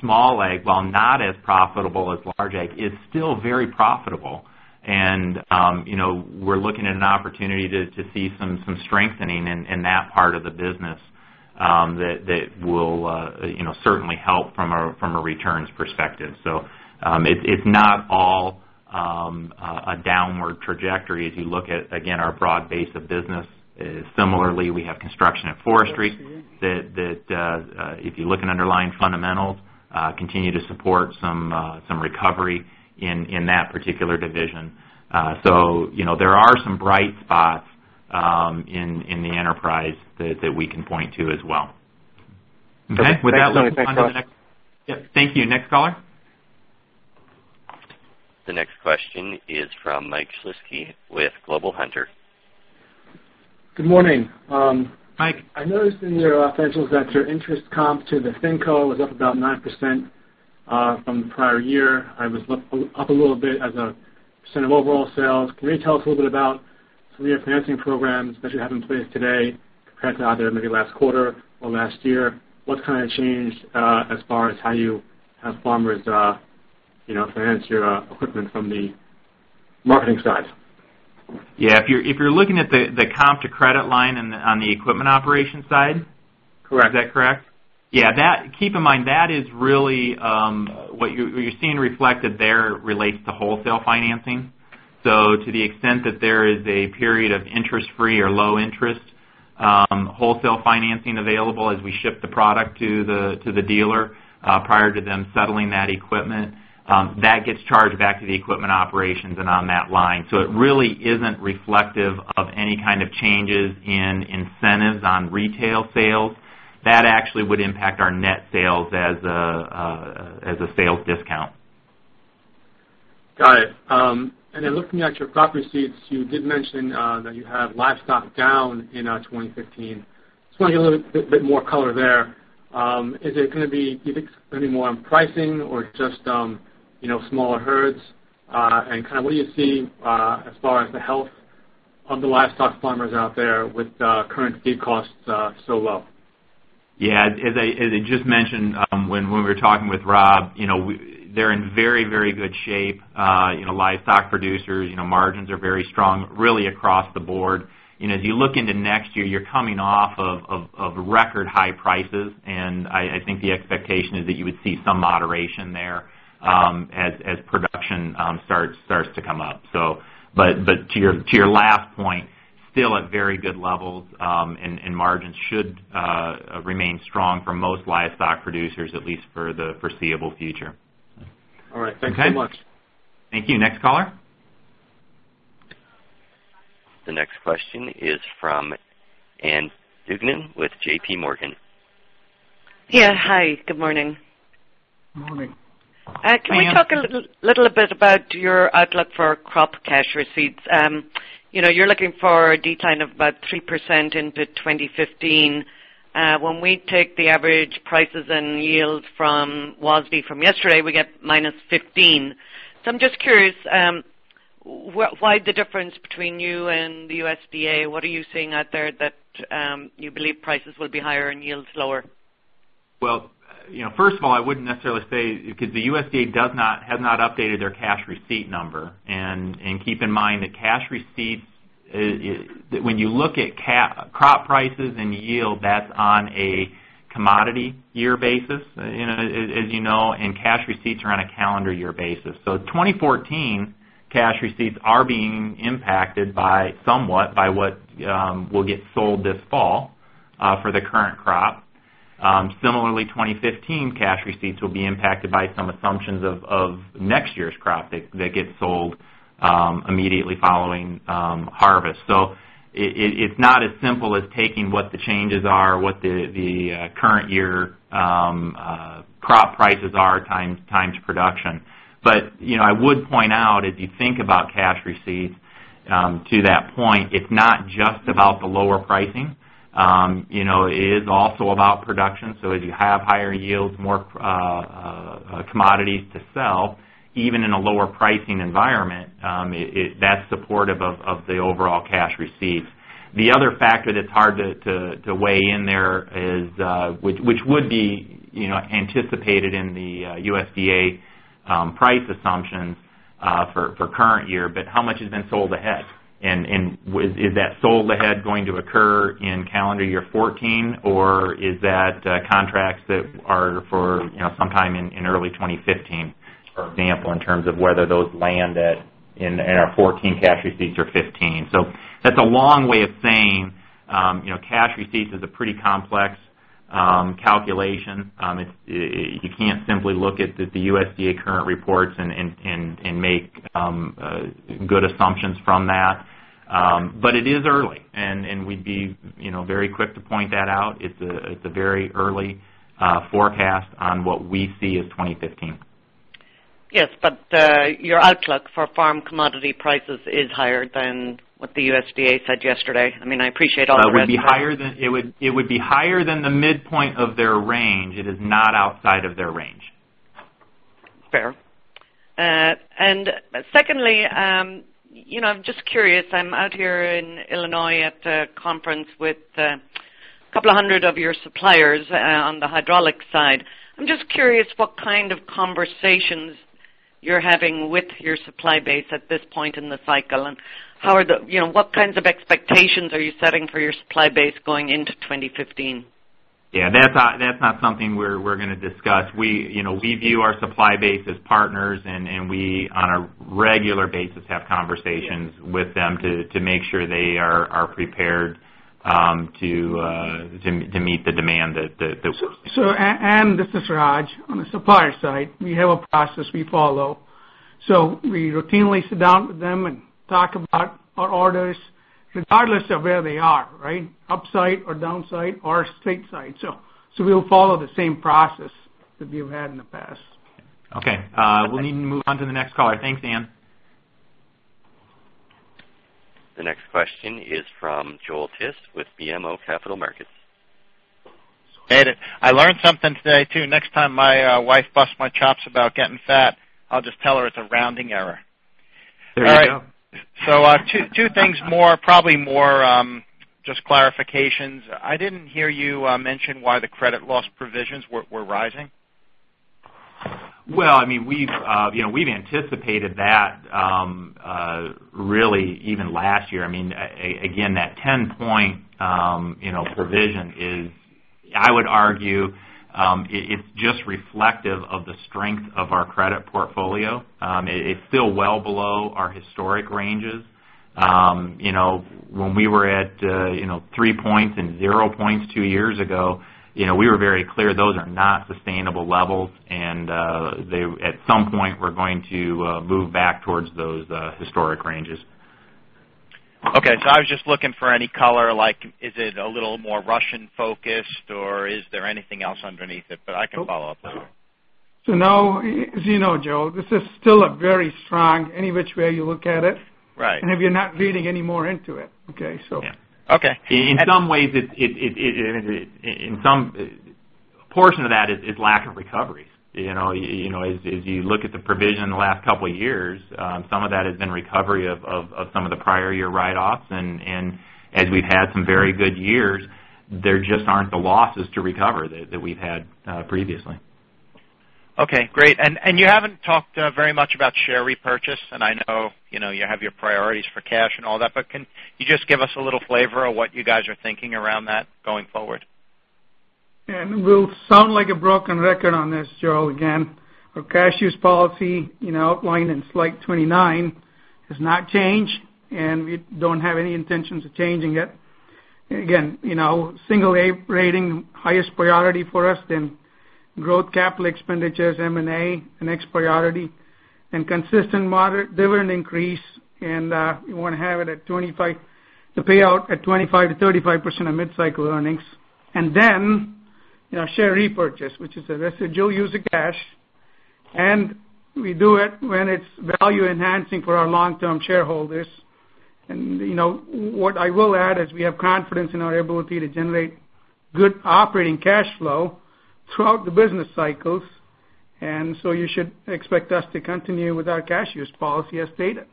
Small ag, while not as profitable as large ag, is still very profitable. We're looking at an opportunity to see some strengthening in that part of the business that will certainly help from a returns perspective. It's not all a downward trajectory as you look at, again, our broad base of business. Similarly, we have Construction and Forestry that, if you look at underlying fundamentals, continue to support some recovery in that particular division. There are some bright spots in the enterprise that we can point to as well. Okay. With that, let's go on to the next. Thanks so much. Thank you. Next caller. The next question is from Mike Shlisky with Global Hunter. Good morning. Mike. I noticed in your financials that your interest comp to the FinCo was up about 9% from the prior year. It was up a little bit as a percent of overall sales. Can you tell us a little bit about some of your financing programs that you have in place today compared to either maybe last quarter or last year? What kind of changed as far as how you have farmers finance your equipment from the marketing side? Yeah. If you're looking at the comp to credit line on the equipment operations side. Correct Is that correct? Yeah. Keep in mind, what you're seeing reflected there relates to wholesale financing. To the extent that there is a period of interest-free or low interest wholesale financing available as we ship the product to the dealer prior to them settling that equipment, that gets charged back to the equipment operations and on that line. It really isn't reflective of any kind of changes in incentives on retail sales. That actually would impact our net sales as a sales discount. Got it. Then looking at your crop receipts, you did mention that you have livestock down in 2015. I just want to get a little bit more color there. Is it going to be more on pricing or just smaller herds? What do you see as far as the health of the livestock farmers out there with current feed costs so well? Yeah. As I just mentioned when we were talking with Rob, they're in very good shape. Livestock producers margins are very strong, really across the board. As you look into next year, you're coming off of record high prices, and I think the expectation is that you would see some moderation there as production starts to come up. To your last point, still at very good levels, and margins should remain strong for most livestock producers, at least for the foreseeable future. All right. Thanks so much. Okay. Thank you. Next caller. The next question is from Ann Duignan with JPMorgan. Yeah. Hi, good morning. Morning. Can we talk a little bit about your outlook for crop cash receipts? You're looking for a decline of about 3% into 2015. When we take the average prices and yields from WASDE from yesterday, we get -15%. I'm just curious, why the difference between you and the USDA? What are you seeing out there that you believe prices will be higher and yields lower? Well, first of all, I wouldn't necessarily say, because the USDA has not updated their cash receipt number. Keep in mind that cash receipts, when you look at crop prices and yield, that's on a commodity year basis, as you know, and cash receipts are on a calendar year basis. 2014 cash receipts are being impacted somewhat by what will get sold this fall for the current crop. Similarly, 2015 cash receipts will be impacted by some assumptions of next year's crop that gets sold immediately following harvest. It's not as simple as taking what the changes are, what the current year crop prices are times production. I would point out, if you think about cash receipts to that point, it's not just about the lower pricing. It is also about production. If you have higher yields, more commodities to sell, even in a lower pricing environment, that's supportive of the overall cash receipts. The other factor that's hard to weigh in there, which would be anticipated in the USDA price assumptions for current year, but how much has been sold ahead? Is that sold ahead going to occur in calendar year 2014, or is that contracts that are for sometime in early 2015, for example, in terms of whether those land in our 2014 cash receipts or 2015. That's a long way of saying cash receipts is a pretty complex calculation. You can't simply look at the USDA current reports and make good assumptions from that. It is early, and we'd be very quick to point that out. It's a very early forecast on what we see as 2015. Your outlook for farm commodity prices is higher than what the USDA said yesterday. I appreciate all the rest of it. It would be higher than the midpoint of their range. It is not outside of their range. Fair. Secondly, I'm just curious. I'm out here in Illinois at a conference with a couple of hundred of your suppliers on the hydraulics side. I'm just curious what kind of conversations you're having with your supply base at this point in the cycle, and what kinds of expectations are you setting for your supply base going into 2015? Yeah, that's not something we're going to discuss. We view our supply base as partners, and we, on a regular basis, have conversations with them to make sure they are prepared to meet the demand that Ann, this is Raj. On the supplier side, we have a process we follow. We routinely sit down with them and talk about our orders, regardless of where they are, right? Upside or downside, or straight side. We'll follow the same process that we've had in the past. Okay. We need to move on to the next caller. Thanks, Ann. The next question is from Joel Tiss with BMO Capital Markets. Made it. I learned something today, too. Next time my wife busts my chops about getting fat, I'll just tell her it's a rounding error. There you go. All right. Two things more, probably more just clarifications. I didn't hear you mention why the credit loss provisions were rising. Well, we've anticipated that really even last year. Again, that 10-point provision is, I would argue, it's just reflective of the strength of our credit portfolio. It's still well below our historic ranges. When we were at three points and zero points two years ago, we were very clear those are not sustainable levels, and at some point, we're going to move back towards those historic ranges. Okay. I was just looking for any color, like is it a little more Russian-focused, or is there anything else underneath it? I can follow up. No. As you know, Joel Tiss, this is still very strong any which way you look at it. Right. If you're not reading any more into it. Okay? Okay. In some ways, a portion of that is lack of recovery. As you look at the provision in the last couple of years, some of that has been recovery of some of the prior year write-offs. As we've had some very good years, there just aren't the losses to recover that we've had previously. Okay, great. You haven't talked very much about share repurchase, and I know you have your priorities for cash and all that, but can you just give us a little flavor of what you guys are thinking around that going forward? We'll sound like a broken record on this, Joel, again. Our cash use policy outlined in Slide 29 has not changed, and we don't have any intentions of changing it. Again, single A rating, highest priority for us, then growth capital expenditures, M&A, the next priority. Consistent moderate dividend increase, and we want to have it at the payout at 25%-35% of mid-cycle earnings. Share repurchase, which is a residual use of cash, and we do it when it's value-enhancing for our long-term shareholders. What I will add is we have confidence in our ability to generate good operating cash flow throughout the business cycles. You should expect us to continue with our cash use policy as stated.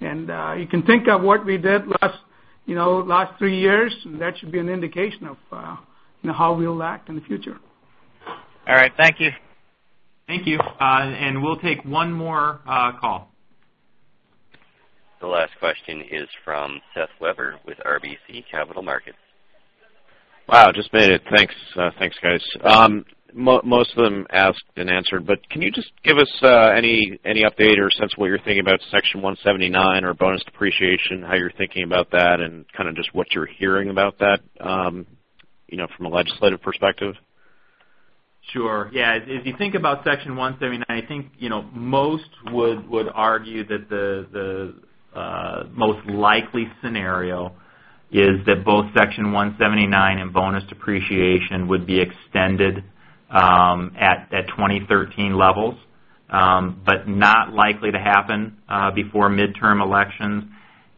You can think of what we did last three years, and that should be an indication of how we'll act in the future. All right. Thank you. Thank you. We'll take one more call. The last question is from Seth Weber with RBC Capital Markets. Wow, just made it. Thanks. Thanks, guys. Most of them asked and answered, can you just give us any update or sense of what you're thinking about Section 179 or bonus depreciation, how you're thinking about that, and kind of just what you're hearing about that from a legislative perspective? Sure. Yeah. If you think about Section 179, I think most would argue that the most likely scenario is that both Section 179 and bonus depreciation would be extended at 2013 levels. Not likely to happen before midterm elections.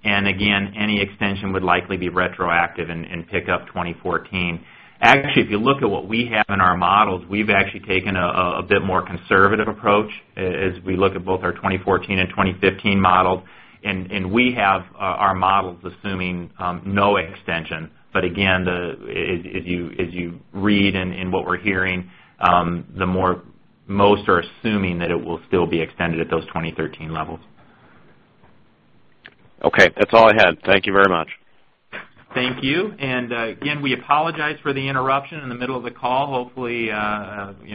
Again, any extension would likely be retroactive and pick up 2014. Actually, if you look at what we have in our models, we've actually taken a bit more conservative approach as we look at both our 2014 and 2015 models, and we have our models assuming no extension. Again, as you read and what we're hearing, most are assuming that it will still be extended at those 2013 levels. Okay. That's all I had. Thank you very much. Thank you. Again, we apologize for the interruption in the middle of the call. Hopefully,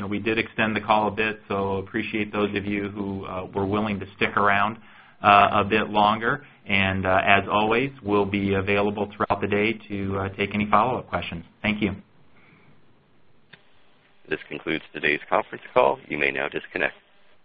we did extend the call a bit, so appreciate those of you who were willing to stick around a bit longer. As always, we'll be available throughout the day to take any follow-up questions. Thank you. This concludes today's conference call. You may now disconnect.